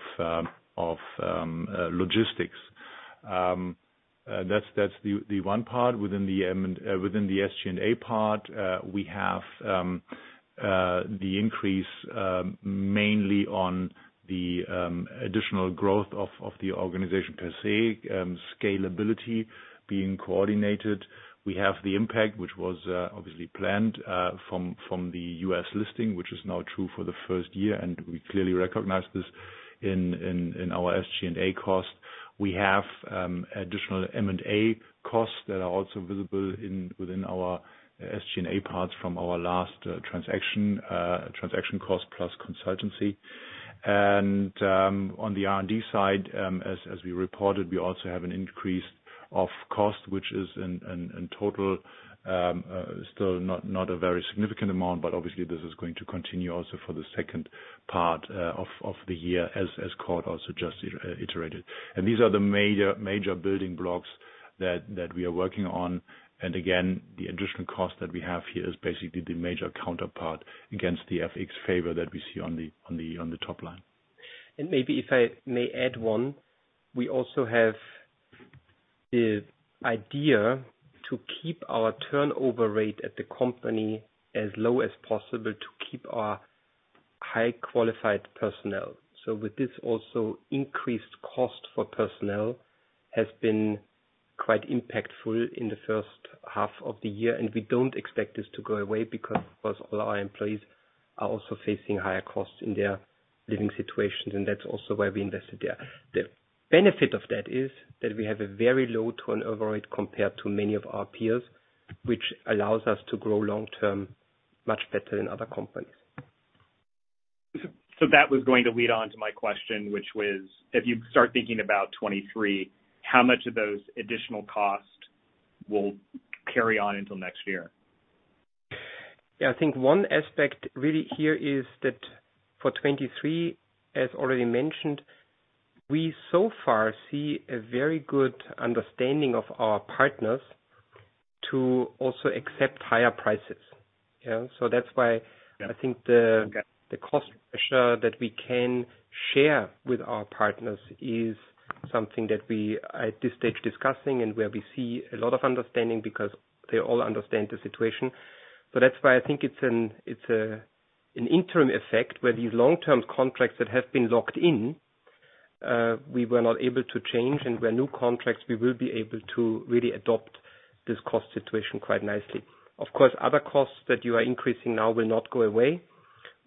logistics. That's the one part. Within the SG&A part, we have the increase mainly on the additional growth of the organization per se, scalability being coordinated. We have the impact, which was obviously planned, from the U.S. listing, which is now true for the first year, and we clearly recognize this in our SG&A cost. We have additional M&A costs that are also visible within our SG&A parts from our last transaction cost plus consultancy. On the R&D side, as we reported, we also have an increase of cost, which is in total still not a very significant amount, but obviously this is going to continue also for the second part of the year as Cord Dohrmann also just iterated. These are the major building blocks that we are working on. Again, the additional cost that we have here is basically the major counterpart against the FX favor that we see on the top line.
Maybe if I may add one, we also have the idea to keep our turnover rate at the company as low as possible to keep our high-qualified personnel. With this also increased cost for personnel has been quite impactful in the first half of the year, and we don't expect this to go away because, of course, all our employees are also facing higher costs in their living situations, and that's also why we invested there. The benefit of that is that we have a very low turnover rate compared to many of our peers, which allows us to grow long-term much better than other companies.
That was going to lead on to my question, which was, if you start thinking about 2023, how much of those additional costs will carry on until next year?
Yeah. I think one aspect really here is that for 2023, as already mentioned, we so far see a very good understanding of our partners to also accept higher prices. Yeah. That's why.
Yeah.
I think the cost pressure that we can share with our partners is something that we, at this stage, discussing and where we see a lot of understanding because they all understand the situation. That's why I think it's an interim effect, where these long-term contracts that have been locked in we were not able to change. Where new contracts, we will be able to really adopt this cost situation quite nicely. Of course, other costs that you are increasing now will not go away.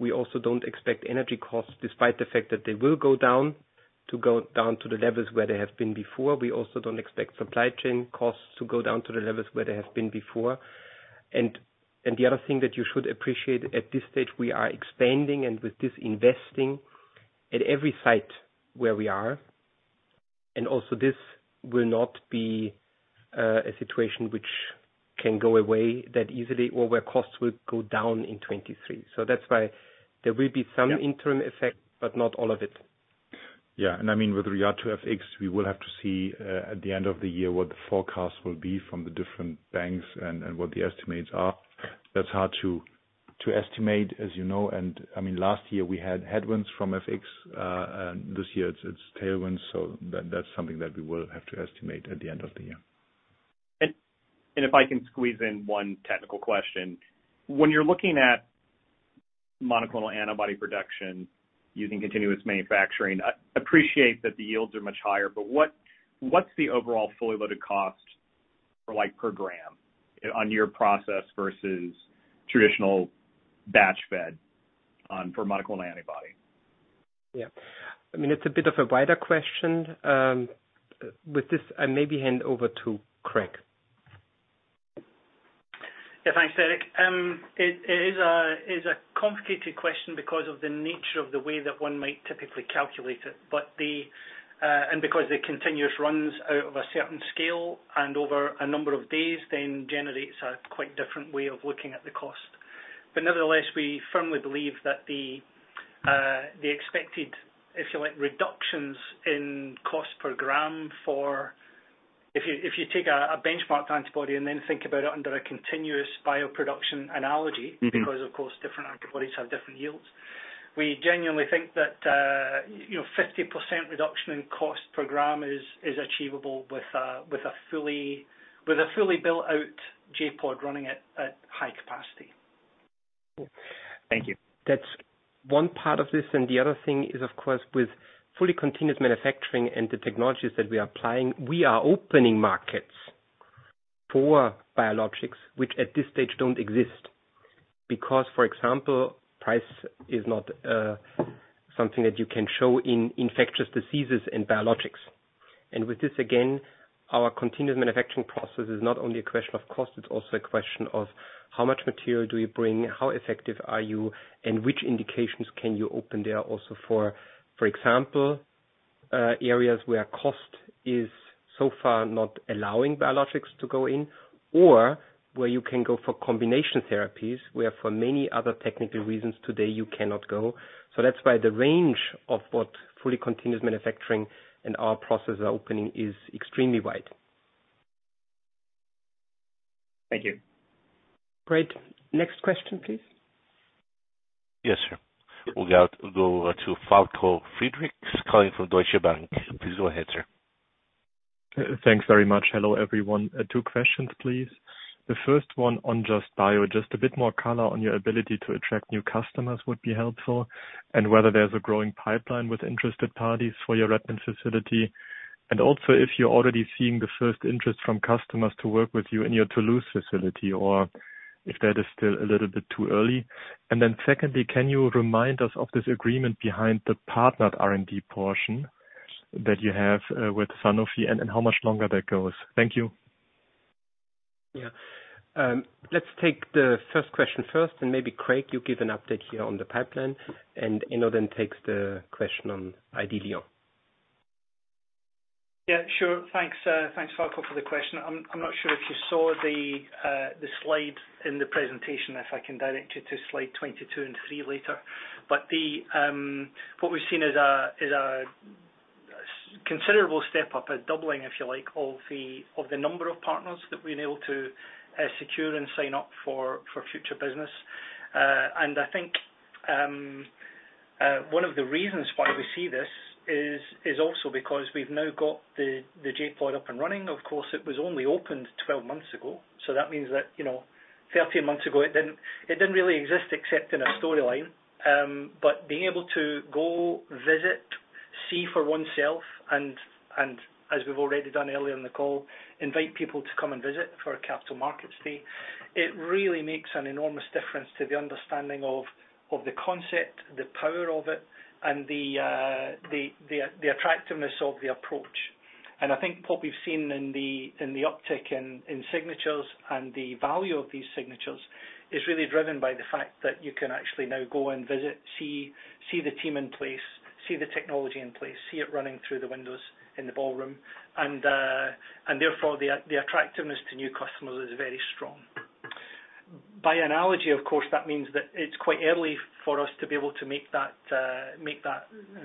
We also don't expect energy costs, despite the fact that they will go down, to go down to the levels where they have been before. We also don't expect supply chain costs to go down to the levels where they have been before. The other thing that you should appreciate, at this stage, we are expanding and with this, investing at every site where we are. Also this will not be, a situation which can go away that easily or where costs will go down in 2023. That's why there will be some interim effects, but not all of it.
Yeah. I mean, with regard to FX, we will have to see at the end of the year what the forecast will be from the different banks and what the estimates are. That's hard to estimate, as you know. I mean, last year we had headwinds from FX and this year it's tailwinds, so that's something that we will have to estimate at the end of the year.
If I can squeeze in one technical question. When you're looking at monoclonal antibody production using continuous manufacturing, I appreciate that the yields are much higher. What's the overall fully loaded cost for like per gram on your process versus traditional fed-batch for monoclonal antibody?
Yeah. I mean, it's a bit of a wider question. With this, I maybe hand over to Craig.
Yeah. Thanks, Derek. It is a complicated question because of the nature of the way that one might typically calculate it. The continuous runs out of a certain scale and over a number of days, then generates a quite different way of looking at the cost. Nevertheless, we firmly believe that the expected, if you like, reductions in cost per gram. If you take a benchmarked antibody and then think about it under a continuous bioproduction analogy.
Mm-hmm.
Because of course different antibodies have different yields. We genuinely think that 50% reduction in cost per gram is achievable with a fully built out J.POD running at high capacity.
Thank you.
That's one part of this. The other thing is, of course, with fully continuous manufacturing and the technologies that we are applying, we are opening markets for biologics, which at this stage don't exist. Because for example, price is not something that you can show in infectious diseases in biologics. With this, again, our continuous manufacturing process is not only a question of cost, it's also a question of how much material do you bring, how effective are you, and which indications can you open there also for example, areas where cost is so far not allowing biologics to go in. Or where you can go for combination therapies, where for many other technical reasons today you cannot go. That's why the range of what fully continuous manufacturing and our process are opening is extremely wide.
Thank you.
Great. Next question, please.
Yes, sir. We've got to go to Falko Friedrichs calling from Deutsche Bank. Please go ahead, sir.
Thanks very much. Hello, everyone. Two questions please. The first one on Just – Evotec Biologics, just a bit more color on your ability to attract new customers would be helpful, and whether there's a growing pipeline with interested parties for your Redmond facility. Also if you're already seeing the first interest from customers to work with you in your Toulouse facility or if that is still a little bit too early. Then secondly, can you remind us of this agreement behind the partnered R&D portion that you have, with Sanofi and how much longer that goes? Thank you.
Yeah. Let's take the first question first, and maybe Craig, you give an update here on the pipeline and Enno then takes the question on ID Lyon.
Yeah, sure. Thanks, Falko for the question. I'm not sure if you saw the slide in the presentation, if I can direct you to slide 22 and 3 later. What we've seen is a considerable step up, a doubling if you like, of the number of partners that we've been able to secure and sign up for future business. I think one of the reasons why we see this is also because we've now got the J.POD up and running. Of course, it was only opened 12 months ago, so that means that, you know, 13 months ago it didn't really exist except in a storyline. Being able to go visit, see for oneself and as we've already done earlier in the call, invite people to come and visit for a capital markets day. It really makes an enormous difference to the understanding of the concept, the power of it, and the attractiveness of the approach. I think what we've seen in the uptick in signatures and the value of these signatures is really driven by the fact that you can actually now go and visit, see the team in place, see the technology in place, see it running through the windows in the ballroom. Therefore the attractiveness to new customers is very strong. By analogy, of course, that means that it's quite early for us to be able to make that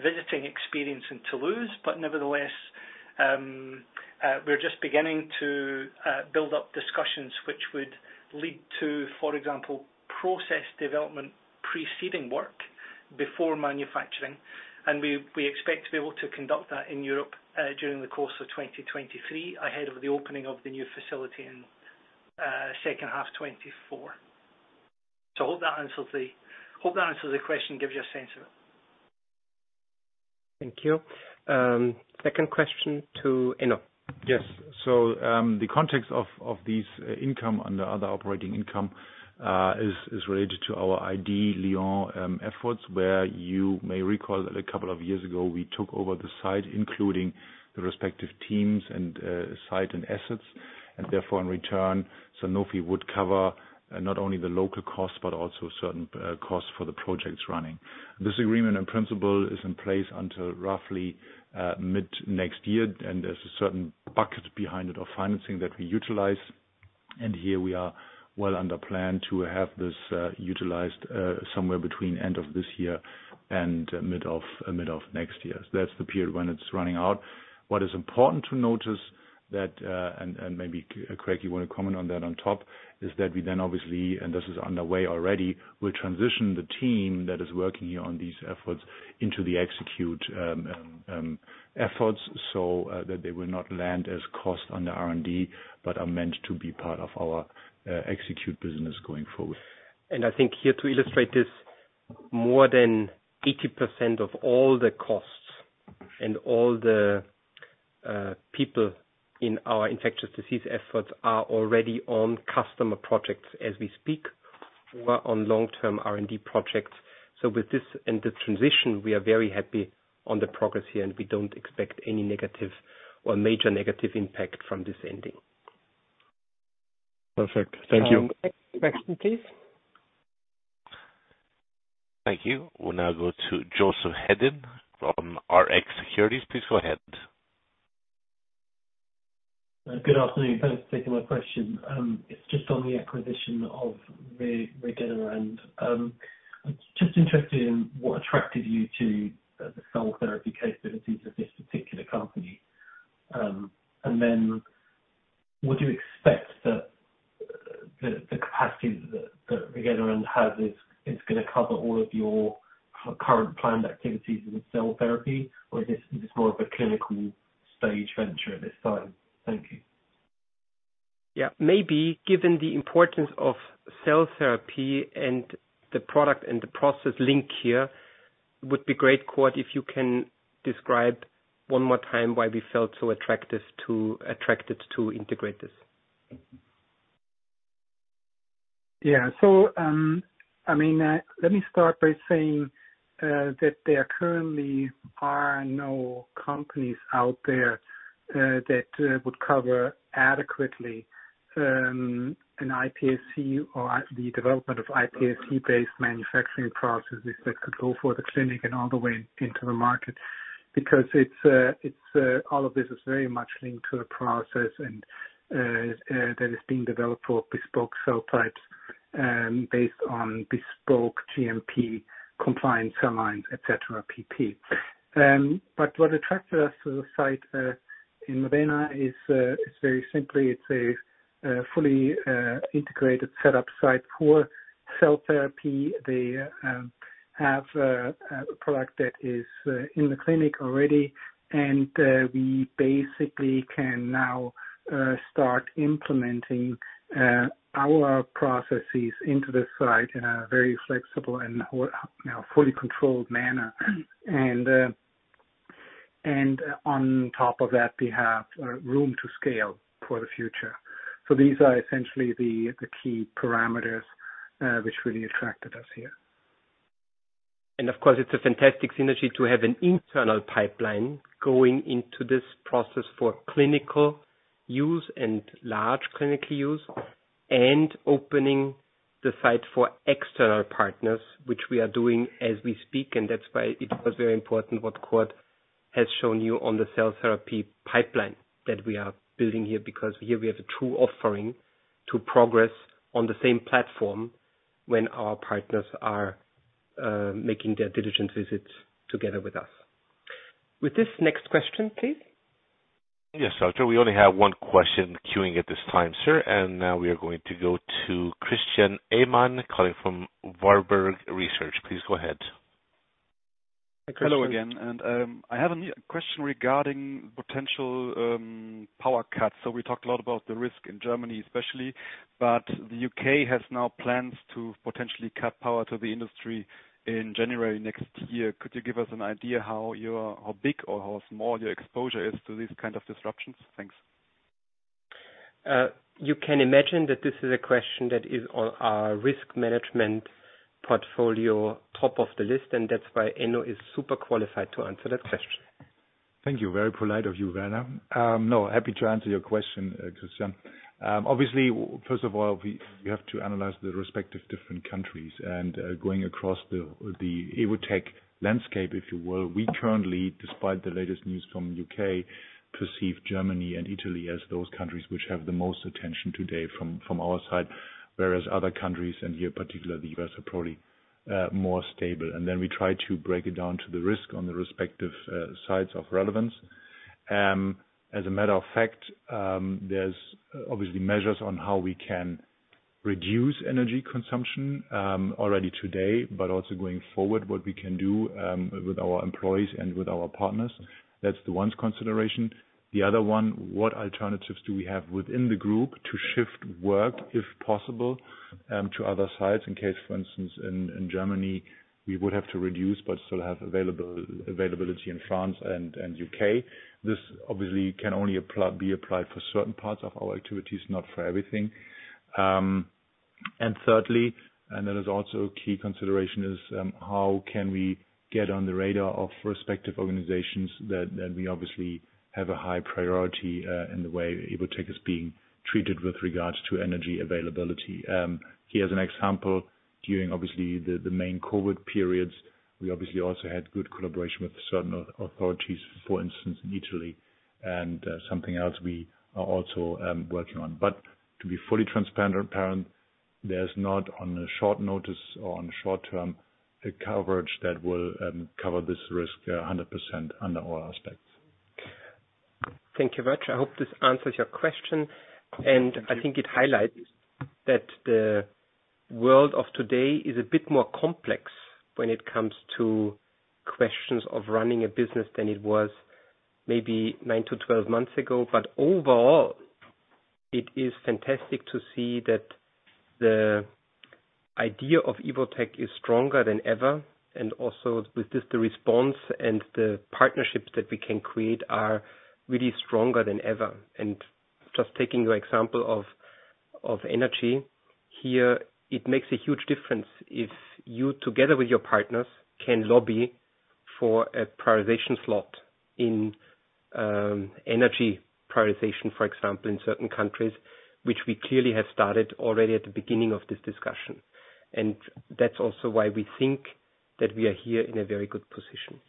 visiting experience in Toulouse. But nevertheless, we're just beginning to build up discussions which would lead to, for example, process development preceding work before manufacturing. We expect to be able to conduct that in Europe during the course of 2023, ahead of the opening of the new facility in second half 2024. Hope that answers the question, gives you a sense of it.
Thank you. Second question to Enno.
Yes. The context of these income under other operating income is related to our ID Lyon efforts, where you may recall that a couple of years ago we took over the site, including the respective teams and site and assets, and therefore in return, Sanofi would cover not only the local costs but also certain costs for the projects running. This agreement in principle is in place until roughly mid next year, and there's a certain bucket behind it of financing that we utilize. Here we are well under plan to have this utilized somewhere between end of this year and mid of next year. That's the period when it's running out. What is important to notice that, and maybe, Craig, you wanna comment on that on top, is that we then obviously, and this is underway already, we transition the team that is working here on these efforts into the Evotec efforts, so that they will not land as cost under R&D, but are meant to be part of our Evotec business going forward.
I think here to illustrate this, more than 80% of all the costs and all the people in our infectious disease efforts are already on customer projects as we speak or on long-term R&D projects. With this and the transition, we are very happy on the progress here, and we don't expect any negative or major negative impact from this ending.
Perfect. Thank you.
Next question, please.
Thank you. We'll now go to Joseph Hedden from Rx Securities. Please go ahead.
Good afternoon. Thanks for taking my question. It's just on the acquisition of Rigenerand. I'm just interested in what attracted you to the cell therapy capabilities of this particular company. Would you expect that the capacities that Rigenerand has is gonna cover all of your current planned activities in cell therapy, or is this more of a clinical stage venture at this time? Thank you.
Yeah. Maybe given the importance of cell therapy and the product and the process link here, would be great, Cord, if you can describe one more time why we felt so attracted to integrate this?
I mean, let me start by saying that there currently are no companies out there that would cover adequately an iPSC or the development of iPSC-based manufacturing processes that could go for the clinic and all the way into the market because all of this is very much linked to a process and that is being developed for bespoke cell types based on bespoke GMP-compliant cell lines, et cetera. What attracted us to the site in Modena is very simply, it's a fully integrated setup site for cell therapy. They have a product that is in the clinic already, and we basically can now start implementing our processes into the site in a very flexible and/or, you know, fully controlled manner. On top of that, we have room to scale for the future. These are essentially the key parameters which really attracted us here.
Of course it's a fantastic synergy to have an internal pipeline going into this process for clinical use and large clinical use and opening the site for external partners, which we are doing as we speak, and that's why it was very important what Cord has shown you on the cell therapy pipeline that we are building here. Because here we have a true offering to progress on the same platform when our partners are making their diligence visits together with us. With this, next question, please.
Yes, doctor. We only have one question queuing at this time, sir. Now we are going to go to Christian Ehmann calling from Warburg Research. Please go ahead.
Hello again. I have a question regarding potential power cuts. We talked a lot about the risk in Germany especially, but the U.K. now has plans to potentially cut power to the industry in January next year. Could you give us an idea how big or how small your exposure is to these kind of disruptions? Thanks.
You can imagine that this is a question that is on our risk management portfolio top of the list, and that's why Enno is super qualified to answer that question.
Thank you. Very polite of you, Werner. No, happy to answer your question, Christian. Obviously, first of all, we have to analyze the respective different countries. Going across the Evotec landscape, if you will, we currently, despite the latest news from U.K., perceive Germany and Italy as those countries which have the most attention today from our side. Whereas other countries, and here particularly the U.S., are probably more stable, and then we try to break it down to the risk on the respective sites of relevance. As a matter of fact, there's obviously measures on how we can reduce energy consumption already today, but also going forward, what we can do with our employees and with our partners. That's the one consideration. The other one, what alternatives do we have within the group to shift work, if possible, to other sites in case, for instance, in Germany, we would have to reduce but still have availability in France and U.K. This obviously can only be applied for certain parts of our activities, not for everything. Thirdly, and that is also a key consideration, is how can we get on the radar of respective organizations that we obviously have a high priority in the way Evotec is being treated with regards to energy availability. Here's an example. During obviously the main COVID periods, we obviously also had good collaboration with certain authorities, for instance, in Italy, and something else we are also working on. To be fully transparent, there's not on a short notice or on short-term a coverage that will cover this risk 100% under all aspects.
Thank you very much. I hope this answers your question. I think it highlights that the world of today is a bit more complex when it comes to questions of running a business than it was maybe 9-12 months ago. Overall, it is fantastic to see that the idea of Evotec is stronger than ever, and also with just the response and the partnerships that we can create are really stronger than ever. Just taking your example of energy, here, it makes a huge difference if you, together with your partners, can lobby for a prioritization slot in energy prioritization, for example, in certain countries, which we clearly have started already at the beginning of this discussion. That's also why we think that we are here in a very good position.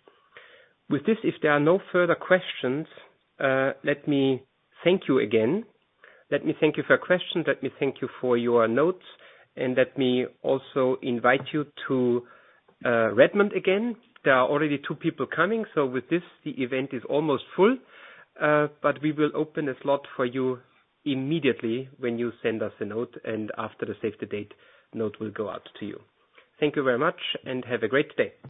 With this, if there are no further questions, let me thank you again. Let me thank you for your question. Let me thank you for your notes, and let me also invite you to Redmond again. There are already two people coming, so with this, the event is almost full. But we will open a slot for you immediately when you send us a note, and after the save the date note will go out to you. Thank you very much and have a great day.